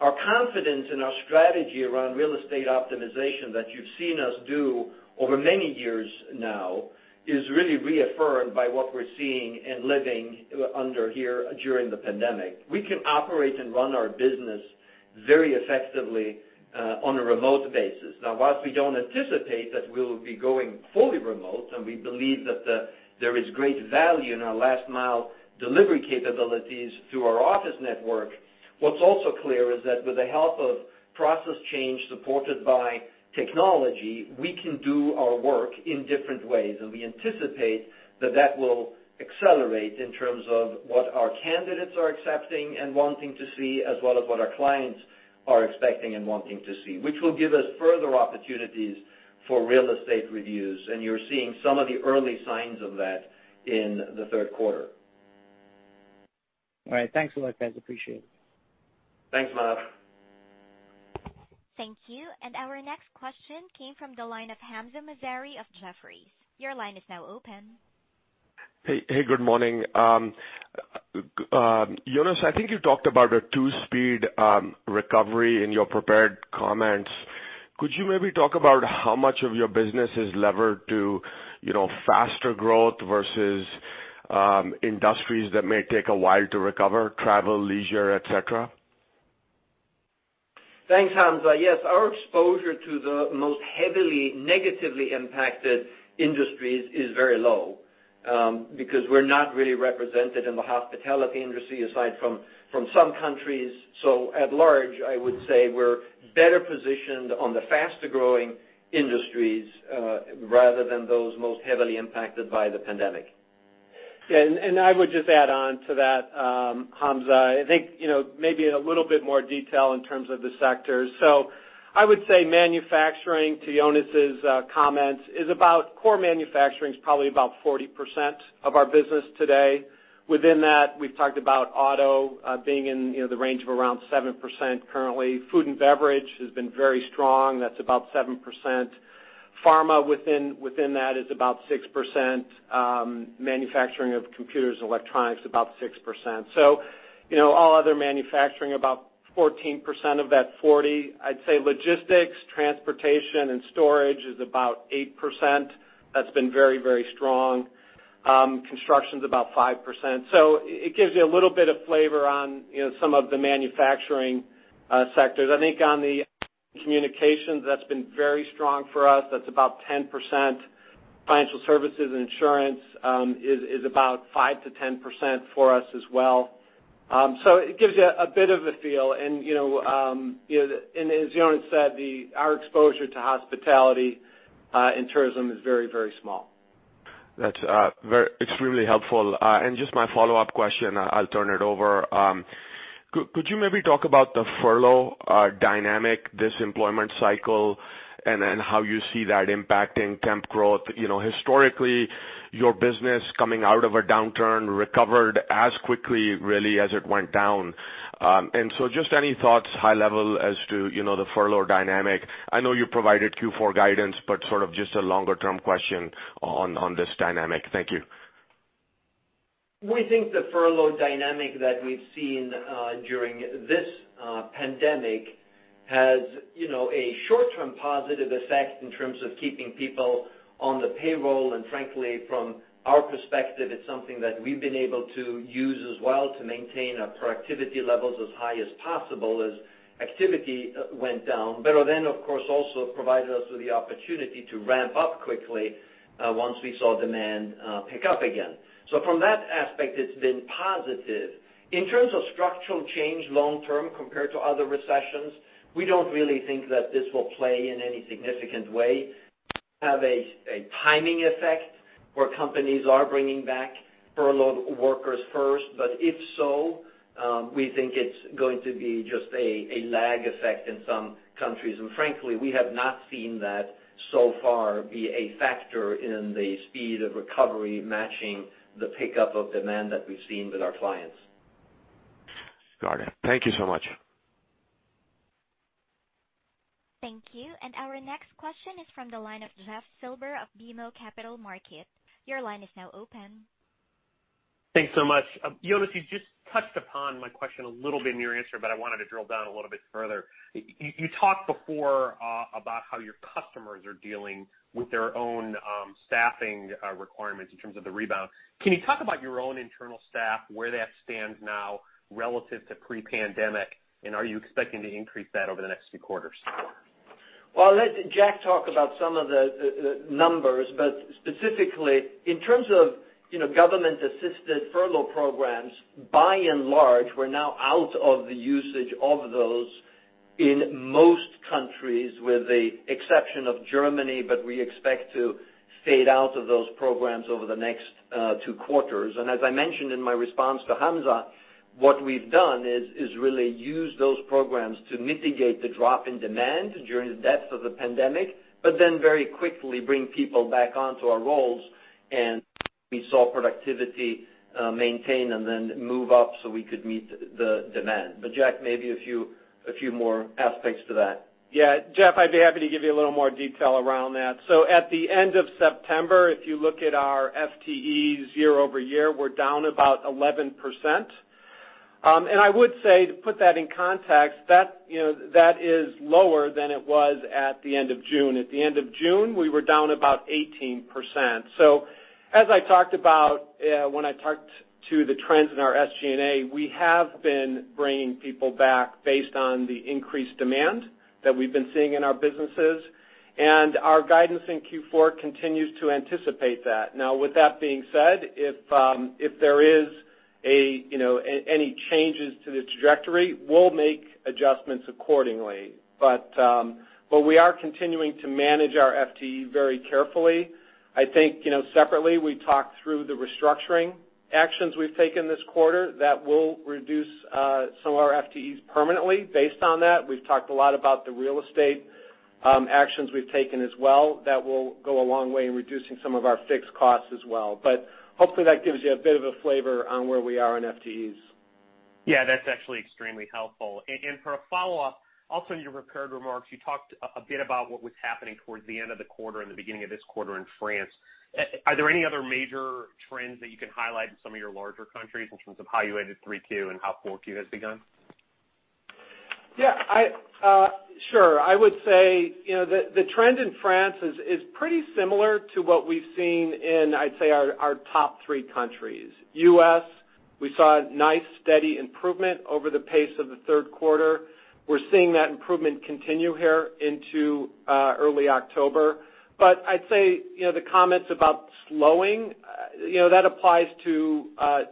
our confidence in our strategy around real estate optimization that you've seen us do over many years now is really reaffirmed by what we're seeing and living under here during the pandemic. We can operate and run our business very effectively on a remote basis. Now, whilst we don't anticipate that we'll be going fully remote, and we believe that there is great value in our last-mile delivery capabilities through our office network, what's also clear is that with the help of process change supported by technology, we can do our work in different ways. We anticipate that that will accelerate in terms of what our candidates are accepting and wanting to see, as well as what our clients are expecting and wanting to see, which will give us further opportunities for real estate reviews. You're seeing some of the early signs of that in the third quarter. All right. Thanks a lot, guys. Appreciate it. Thanks, Manav. Thank you. Our next question came from the line of Hamzah Mazari of Jefferies. Your line is now open. Hey. Good morning. Jonas, I think you talked about a two-speed recovery in your prepared comments. Could you maybe talk about how much of your business is levered to faster growth versus industries that may take a while to recover, travel, leisure, et cetera? Thanks, Hamzah. Yes. Our exposure to the most heavily negatively impacted industries is very low, because we're not really represented in the hospitality industry aside from some countries. At large, I would say we're better positioned on the faster-growing industries, rather than those most heavily impacted by the pandemic. Yeah. I would just add on to that, Hamzah. I think maybe in a little bit more detail in terms of the sectors. I would say manufacturing to Jonas' comments is about core manufacturing's probably about 40% of our business today. Within that, we've talked about auto being in the range of around 7% currently. Food and beverage has been very strong. That's about 7%. Pharma within that is about 6%. Manufacturing of computers and electronics, about 6%. All other manufacturing, about 14% of that 40%. I'd say logistics, transportation, and storage is about 8%. That's been very, very strong. Construction's about 5%. It gives you a little bit of flavor on some of the manufacturing sectors. I think on the communications, that's been very strong for us. That's about 10%. Financial services and insurance is about 5%-10% for us as well. It gives you a bit of a feel. As Jonas said, our exposure to hospitality and tourism is very, very small. That's extremely helpful. Just my follow-up question, I'll turn it over. Could you maybe talk about the furlough dynamic, this employment cycle, and then how you see that impacting temp growth? Historically, your business coming out of a downturn recovered as quickly really as it went down. Just any thoughts, high level, as to the furlough dynamic. I know you provided Q4 guidance, sort of just a longer-term question on this dynamic. Thank you. We think the furlough dynamic that we've seen during this pandemic has a short-term positive effect in terms of keeping people on the payroll, and frankly, from our perspective, it's something that we've been able to use as well to maintain our productivity levels as high as possible as activity went down, better than, of course, also provided us with the opportunity to ramp up quickly, once we saw demand pick up again. From that aspect, it's been positive. In terms of structural change long term compared to other recessions, we don't really think that this will play in any significant way, have a timing effect where companies are bringing back furloughed workers first. If so, we think it's going to be just a lag effect in some countries. Frankly, we have not seen that so far be a factor in the speed of recovery matching the pickup of demand that we've seen with our clients. Got it. Thank you so much. Thank you. Our next question is from the line of Jeff Silber of BMO Capital Markets. Your line is now open. Thanks so much. Jonas, you just touched upon my question a little bit in your answer, but I wanted to drill down a little bit further. You talked before about how your customers are dealing with their own staffing requirements in terms of the rebound. Can you talk about your own internal staff, where that stands now relative to pre-pandemic, and are you expecting to increase that over the next few quarters? I will let Jack talk about some of the numbers, specifically in terms of government-assisted furlough programs, by and large, we are now out of the usage of those in most countries, with the exception of Germany. We expect to fade out of those programs over the next two quarters. As I mentioned in my response to Hamzah, what we have done is really use those programs to mitigate the drop in demand during the depths of the pandemic, very quickly bring people back onto our roles, and we saw productivity maintain and then move up so we could meet the demand. Jack, maybe a few more aspects to that. Jeff, I'd be happy to give you a little more detail around that. At the end of September, if you look at our FTEs year-over-year, we're down about 11%. I would say to put that in context, that is lower than it was at the end of June. At the end of June, we were down about 18%. As I talked about when I talked to the trends in our SG&A, we have been bringing people back based on the increased demand that we've been seeing in our businesses, and our guidance in Q4 continues to anticipate that. Now, with that being said, if there is any changes to the trajectory, we'll make adjustments accordingly. We are continuing to manage our FTE very carefully. I think, separately, we talked through the restructuring actions we've taken this quarter that will reduce some of our FTEs permanently based on that. We've talked a lot about the real estate actions we've taken as well. That will go a long way in reducing some of our fixed costs as well. Hopefully that gives you a bit of a flavor on where we are on FTEs. Yeah, that's actually extremely helpful. For a follow-up, also in your prepared remarks, you talked a bit about what was happening towards the end of the quarter and the beginning of this quarter in France. Are there any other major trends that you can highlight in some of your larger countries in terms of how you ended Q3 and how Q4 has begun? Yeah. Sure. I would say the trend in France is pretty similar to what we've seen in, I'd say, our top three countries. U.S., we saw a nice steady improvement over the pace of the third quarter. We're seeing that improvement continue here into early October. I'd say, the comments about slowing, that applies to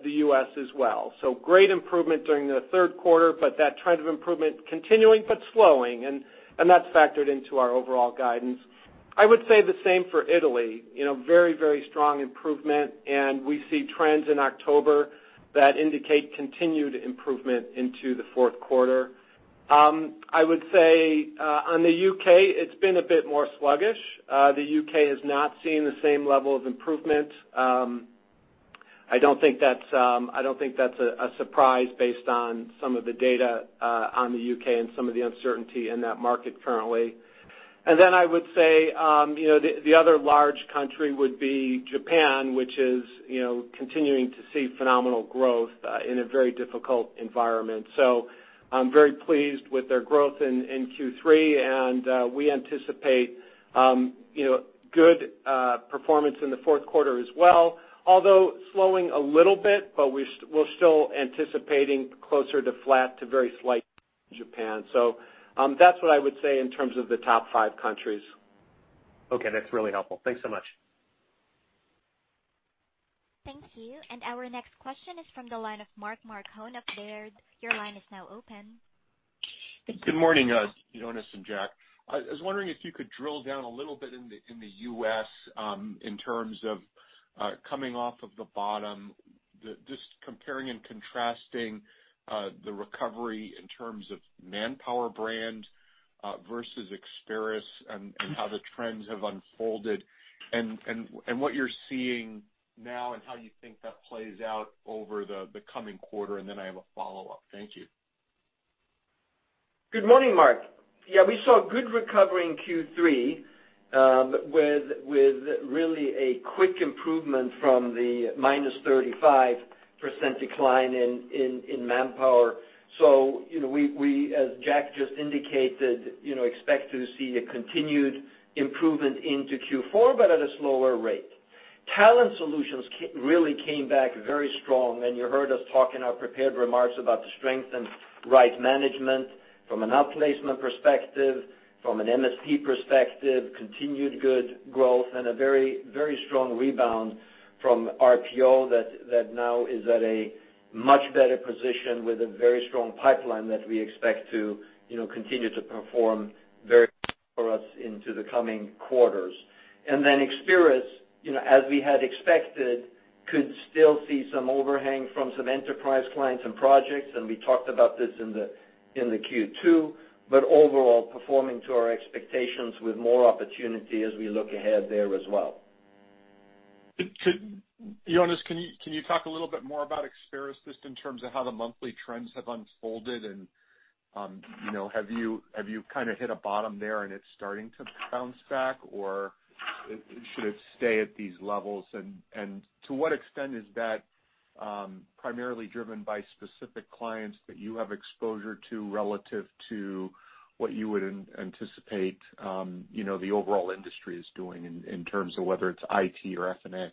the U.S. as well. Great improvement during the third quarter, but that trend of improvement continuing but slowing, and that's factored into our overall guidance. I would say the same for Italy. Very strong improvement, and we see trends in October that indicate continued improvement into the fourth quarter. I would say, on the U.K., it's been a bit more sluggish. The U.K. has not seen the same level of improvement. I don't think that's a surprise based on some of the data on the U.K. and some of the uncertainty in that market currently. I would say, the other large country would be Japan, which is continuing to see phenomenal growth, in a very difficult environment. I'm very pleased with their growth in Q3, and we anticipate good performance in the fourth quarter as well, although slowing a little bit, but we're still anticipating closer to flat to very slight in Japan. That's what I would say in terms of the top five countries. Okay, that's really helpful. Thanks so much. Thank you. Our next question is from the line of Mark Marcon of Baird. Your line is now open. Good morning, Jonas and Jack. I was wondering if you could drill down a little bit in the U.S. in terms of coming off of the bottom, just comparing and contrasting the recovery in terms of Manpower brand versus Experis and how the trends have unfolded. What you're seeing now and how you think that plays out over the coming quarter, and then I have a follow-up. Thank you. Good morning, Mark. We saw good recovery in Q3 with really a quick improvement from the -35% decline in Manpower. As Jack just indicated, expect to see a continued improvement into Q4 but at a slower rate. Talent Solutions really came back very strong, and you heard us talk in our prepared remarks about the strength in Right Management from an outplacement perspective, from an MSP perspective, continued good growth, and a very strong rebound from RPO that now is at a much better position with a very strong pipeline that we expect to continue to perform very well for us into the coming quarters. Experis, as we had expected, could still see some overhang from some enterprise clients and projects, and we talked about this in the Q2, but overall performing to our expectations with more opportunity as we look ahead there as well. Jonas, can you talk a little bit more about Experis just in terms of how the monthly trends have unfolded and, have you kind of hit a bottom there and it's starting to bounce back, or should it stay at these levels? To what extent is that primarily driven by specific clients that you have exposure to relative to what you would anticipate the overall industry is doing in terms of whether it's IT or F&A?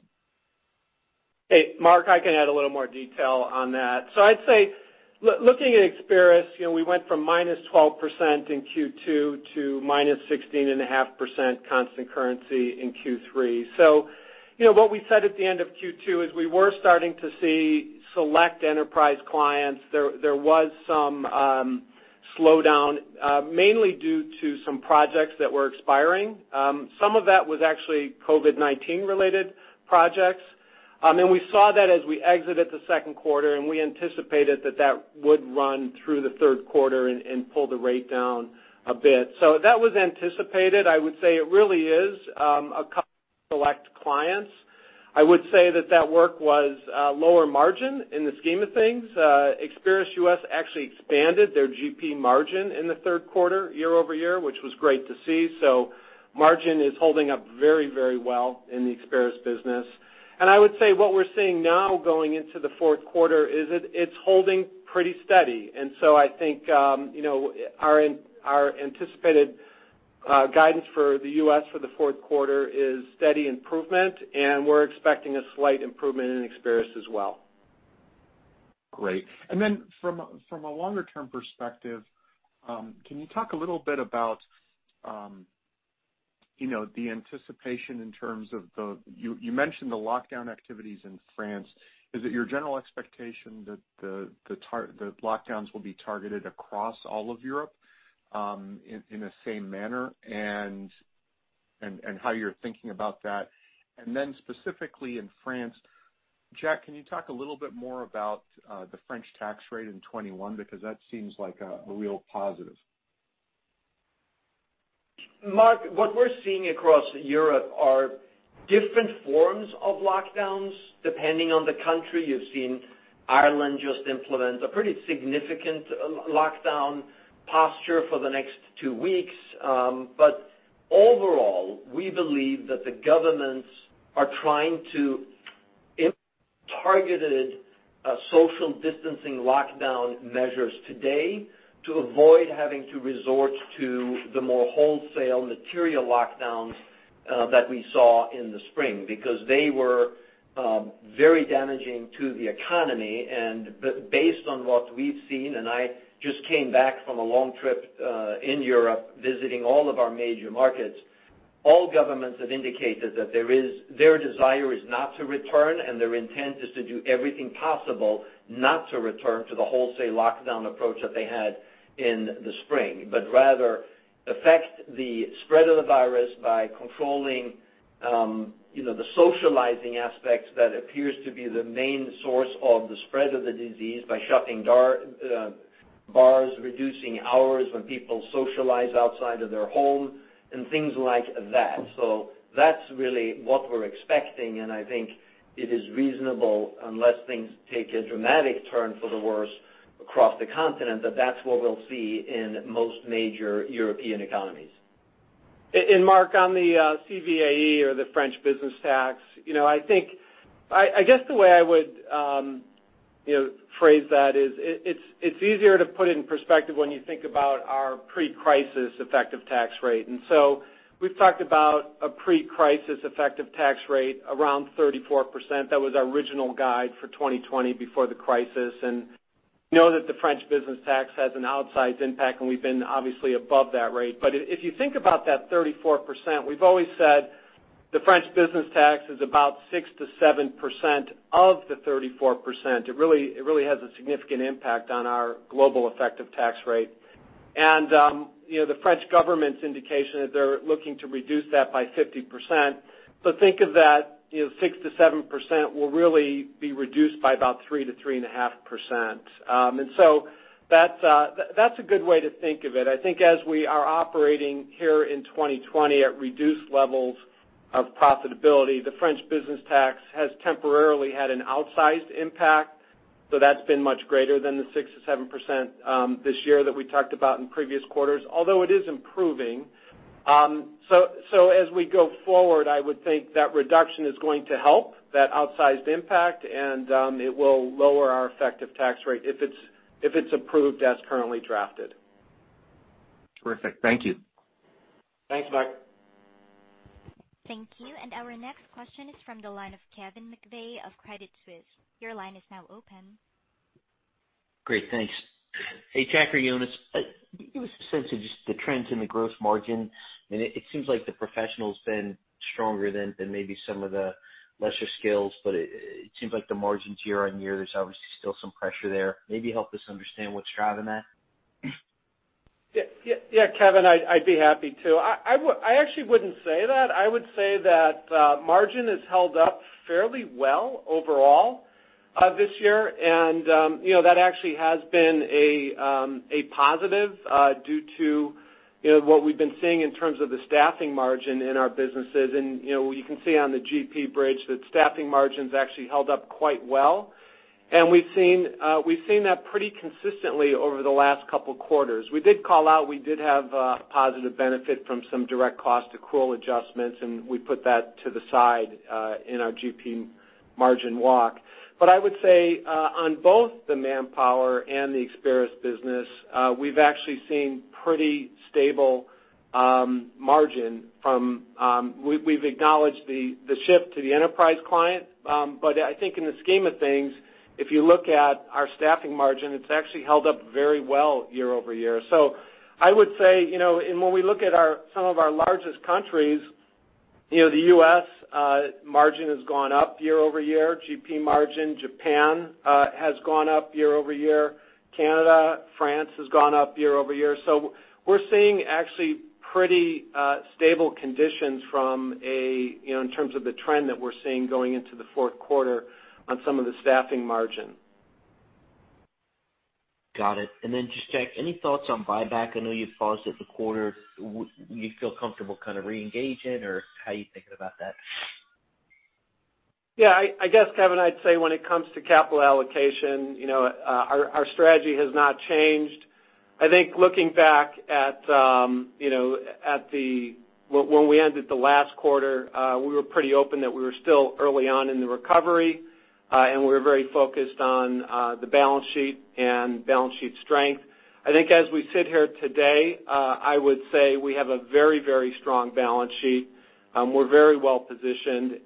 Hey, Mark, I can add a little more detail on that. I'd say looking at Experis, we went from -12% in Q2 to -16.5% constant currency in Q3. What we said at the end of Q2 is we were starting to see select enterprise clients. There was some slowdown, mainly due to some projects that were expiring. Some of that was actually COVID-19 related projects. We saw that as we exited the second quarter, and we anticipated that that would run through the third quarter and pull the rate down a bit. That was anticipated. I would say it really is a couple of select clients. I would say that that work was lower margin in the scheme of things. Experis U.S. actually expanded their GP margin in the third quarter year-over-year, which was great to see. Margin is holding up very well in the Experis business. I would say what we're seeing now going into the fourth quarter is it's holding pretty steady. I think, our anticipated guidance for the U.S. for the fourth quarter is steady improvement, and we're expecting a slight improvement in Experis as well. Great. From a longer-term perspective, can you talk a little bit about the anticipation in terms of you mentioned the lockdown activities in France. Is it your general expectation that the lockdowns will be targeted across all of Europe in the same manner and how you're thinking about that? Specifically in France, Jack, can you talk a little bit more about the French tax rate in 2021, because that seems like a real positive. Mark, what we're seeing across Europe are different forms of lockdowns depending on the country. You've seen Ireland just implement a pretty significant lockdown posture for the next two weeks. Overall, we believe that the governments are trying to implement targeted social distancing lockdown measures today to avoid having to resort to the more wholesale material lockdowns that we saw in the spring. They were very damaging to the economy, and based on what we've seen, and I just came back from a long trip in Europe visiting all of our major markets, all governments have indicated that their desire is not to return, and their intent is to do everything possible not to return to the wholesale lockdown approach that they had in the spring. Rather affect the spread of the virus by controlling the socializing aspects that appears to be the main source of the spread of the disease by shutting bars, reducing hours when people socialize outside of their home, and things like that. That's really what we're expecting, and I think it is reasonable unless things take a dramatic turn for the worse across the continent, that that's what we'll see in most major European economies. Mark, on the CVAE or the French business tax, I guess the way I would phrase that is it's easier to put it in perspective when you think about our pre-crisis effective tax rate. We've talked about a pre-crisis effective tax rate around 34%. That was our original guide for 2020 before the crisis, and know that the French business tax has an outsized impact, and we've been obviously above that rate. If you think about that 34%, we've always said the French business tax is about 6%-7% of the 34%. It really has a significant impact on our global effective tax rate. The French government's indication is they're looking to reduce that by 50%. Think of that 6%-7% will really be reduced by about 3%-3.5%. That's a good way to think of it. I think as we are operating here in 2020 at reduced levels of profitability, the French business tax has temporarily had an outsized impact, so that's been much greater than the 6%-7% this year that we talked about in previous quarters, although it is improving. As we go forward, I would think that reduction is going to help that outsized impact and it will lower our effective tax rate if it's approved as currently drafted. Perfect. Thank you. Thanks, Mark. Thank you. Our next question is from the line of Kevin McVeigh of Credit Suisse. Your line is now open. Great, thanks. Hey, Jack or Jonas. Give us a sense of just the trends in the gross margin. It seems like the professional's been stronger than maybe some of the lesser skills, but it seems like the margins year-over-year, there's obviously still some pressure there. Maybe help us understand what's driving that. Yeah, Kevin, I'd be happy to. I actually wouldn't say that. I would say that margin has held up fairly well overall this year. That actually has been a positive due to what we've been seeing in terms of the staffing margin in our businesses. You can see on the GP bridge that staffing margins actually held up quite well. We've seen that pretty consistently over the last couple of quarters. We did call out, we did have a positive benefit from some direct cost accrual adjustments, and we put that to the side in our GP margin walk. I would say on both the Manpower and the Experis business, we've actually seen pretty stable margin. We've acknowledged the shift to the enterprise client. I think in the scheme of things, if you look at our staffing margin, it's actually held up very well year-over-year. I would say, when we look at some of our largest countries, the U.S. margin has gone up year-over-year, GP margin. Japan has gone up year-over-year. Canada, France has gone up year-over-year. We're seeing actually pretty stable conditions in terms of the trend that we're seeing going into the fourth quarter on some of the staffing margin. Got it. Just, Jack, any thoughts on buyback? I know you'd paused it the quarter. You feel comfortable kind of reengaging, or how are you thinking about that? I guess, Kevin, I'd say when it comes to capital allocation, our strategy has not changed. I think looking back at when we ended the last quarter, we were pretty open that we were still early on in the recovery. We were very focused on the balance sheet and balance sheet strength. I think as we sit here today, I would say we have a very, very strong balance sheet. We're very well-positioned.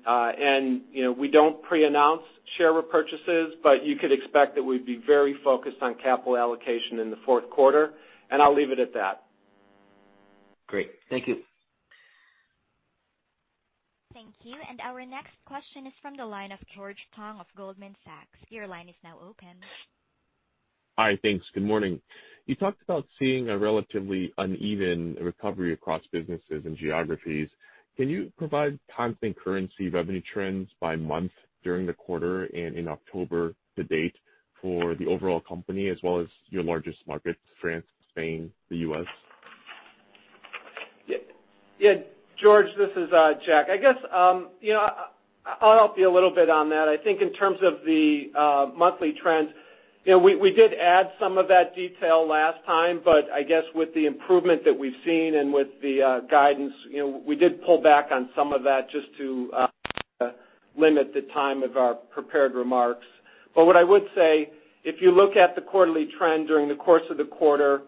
We don't pre-announce share repurchases, but you could expect that we'd be very focused on capital allocation in the fourth quarter, and I'll leave it at that. Great. Thank you. Thank you. Our next question is from the line of George Tong of Goldman Sachs. Your line is now open. Hi, thanks. Good morning. You talked about seeing a relatively uneven recovery across businesses and geographies. Can you provide constant currency revenue trends by month during the quarter and in October to date for the overall company as well as your largest markets, France, Spain, the U.S.? George, this is Jack. I guess I'll help you a little bit on that. I think in terms of the monthly trends, we did add some of that detail last time, I guess with the improvement that we've seen and with the guidance, we did pull back on some of that just to limit the time of our prepared remarks. What I would say, if you look at the quarterly trend during the course of the quarter,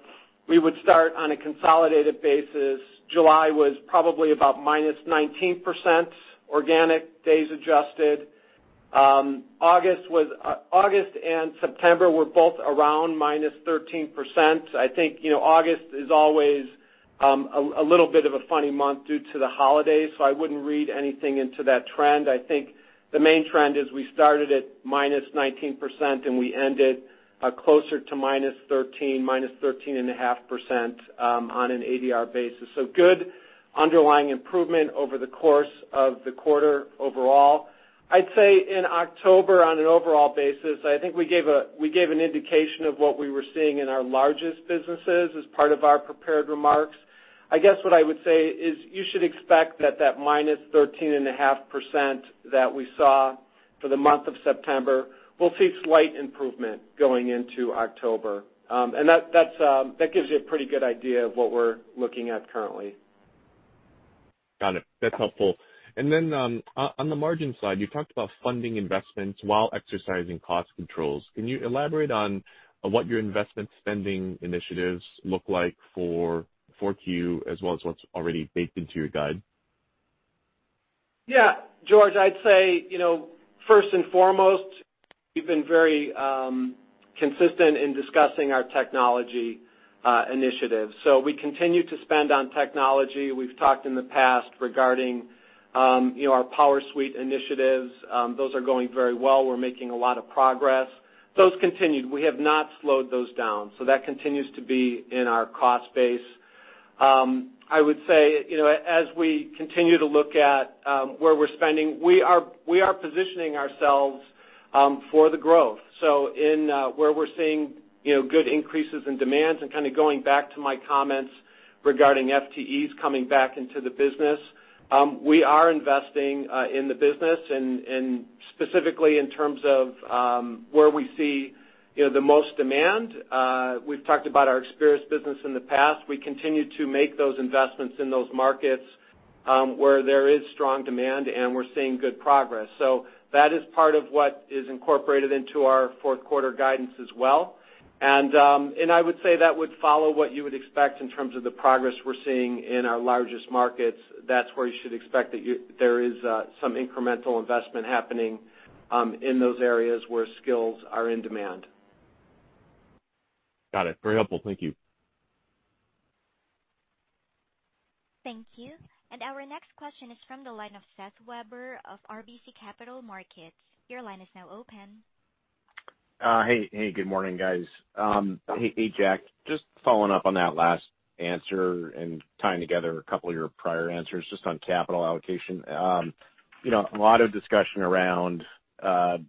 we would start on a consolidated basis. July was probably about -19%, organic days adjusted. August and September were both around -13%. I think August is always a little bit of a funny month due to the holidays, I wouldn't read anything into that trend. I think the main trend is we started at -19% and we ended closer to -13% to -13.5% on an ADR basis. Good underlying improvement over the course of the quarter overall. I'd say in October on an overall basis, I think we gave an indication of what we were seeing in our largest businesses as part of our prepared remarks. I guess what I would say is you should expect that that -13.5% that we saw for the month of September will see slight improvement going into October. That gives you a pretty good idea of what we're looking at currently. Got it. That's helpful. On the margin side, you talked about funding investments while exercising cost controls. Can you elaborate on what your investment spending initiatives look like for 4Q as well as what's already baked into your guide? Yeah. George, I'd say, first and foremost, we've been very consistent in discussing our technology initiatives. We continue to spend on technology. We've talked in the past regarding our PowerSuite initiatives. Those are going very well. We're making a lot of progress. Those continued. We have not slowed those down, so that continues to be in our cost base. I would say, as we continue to look at where we're spending, we are positioning ourselves for the growth. In where we're seeing good increases in demands and kind of going back to my comments regarding FTEs coming back into the business, we are investing in the business and specifically in terms of where we see the most demand. We've talked about our Experis business in the past. We continue to make those investments in those markets, where there is strong demand, and we're seeing good progress. That is part of what is incorporated into our fourth quarter guidance as well. I would say that would follow what you would expect in terms of the progress we're seeing in our largest markets. That's where you should expect that there is some incremental investment happening in those areas where skills are in demand. Got it. Very helpful. Thank you. Thank you. Our next question is from the line of Seth Weber of RBC Capital Markets. Your line is now open. Hey, good morning, guys. Hey, Jack, just following up on that last answer and tying together a couple of your prior answers just on capital allocation. A lot of discussion around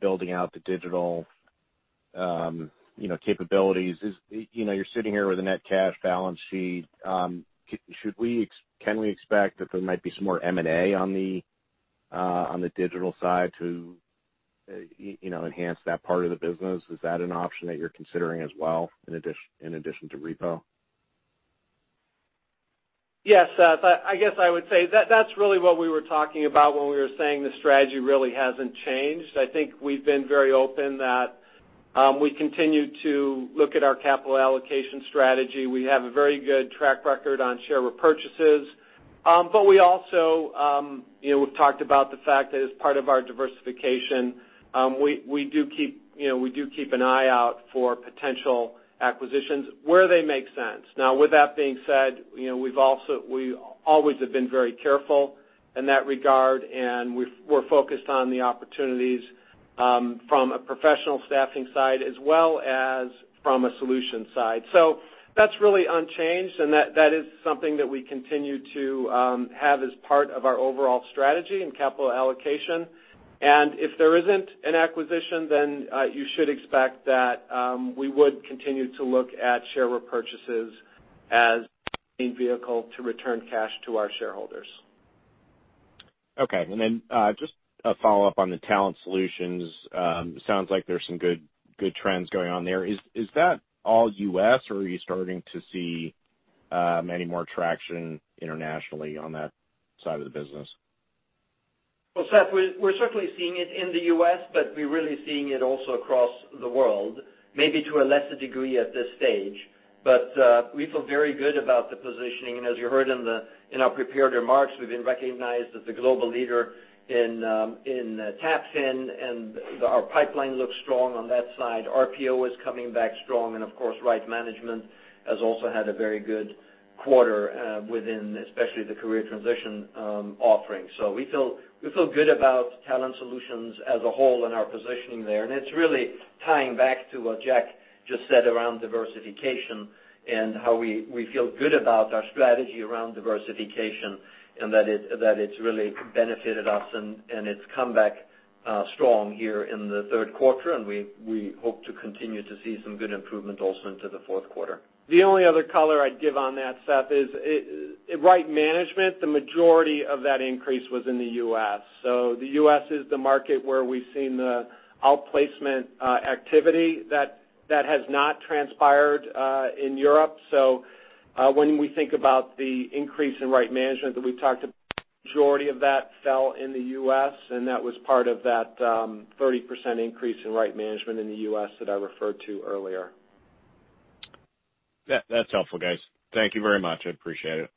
building out the digital capabilities. You're sitting here with a net cash balance sheet. Can we expect that there might be some more M&A on the digital side to enhance that part of the business? Is that an option that you're considering as well in addition to repo? Yes, Seth, I guess I would say that's really what we were talking about when we were saying the strategy really hasn't changed. I think we've been very open that we continue to look at our capital allocation strategy. We have a very good track record on share repurchases. We've talked about the fact that as part of our diversification, we do keep an eye out for potential acquisitions where they make sense. With that being said, we always have been very careful in that regard, and we're focused on the opportunities from a professional staffing side as well as from a solution side. That's really unchanged, and that is something that we continue to have as part of our overall strategy in capital allocation. If there isn't an acquisition, you should expect that we would continue to look at share repurchases as the main vehicle to return cash to our shareholders. Okay. Just a follow-up on the Talent Solutions. Sounds like there's some good trends going on there. Is that all U.S., or are you starting to see any more traction internationally on that side of the business? Well, Seth, we're certainly seeing it in the U.S., we're really seeing it also across the world, maybe to a lesser degree at this stage. We feel very good about the positioning. As you heard in our prepared remarks, we've been recognized as the global leader in TAPFIN, and our pipeline looks strong on that side. RPO is coming back strong, and of course, Right Management has also had a very good quarter within especially the career transition offering. We feel good about Talent Solutions as a whole and our positioning there, and it's really tying back to what Jack just said around diversification and how we feel good about our strategy around diversification and that it's really benefited us, and it's come back strong here in the third quarter, and we hope to continue to see some good improvement also into the fourth quarter. The only other color I'd give on that, Seth, is Right Management, the majority of that increase was in the U.S. The U.S. is the market where we've seen the outplacement activity that has not transpired in Europe. When we think about the increase in Right Management that we talked about, the majority of that fell in the U.S., and that was part of that 30% increase in Right Management in the U.S. that I referred to earlier. That's helpful, guys. Thank you very much. I appreciate it.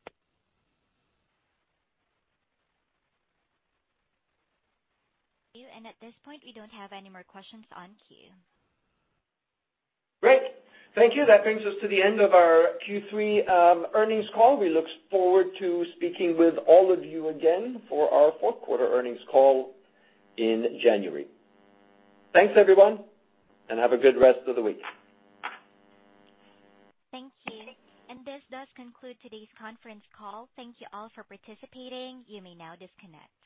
At this point, we don't have any more questions on queue. Great. Thank you. That brings us to the end of our Q3 earnings call. We look forward to speaking with all of you again for our fourth quarter earnings call in January. Thanks, everyone, and have a good rest of the week. Thank you. This does conclude today's conference call. Thank you all for participating. You may now disconnect.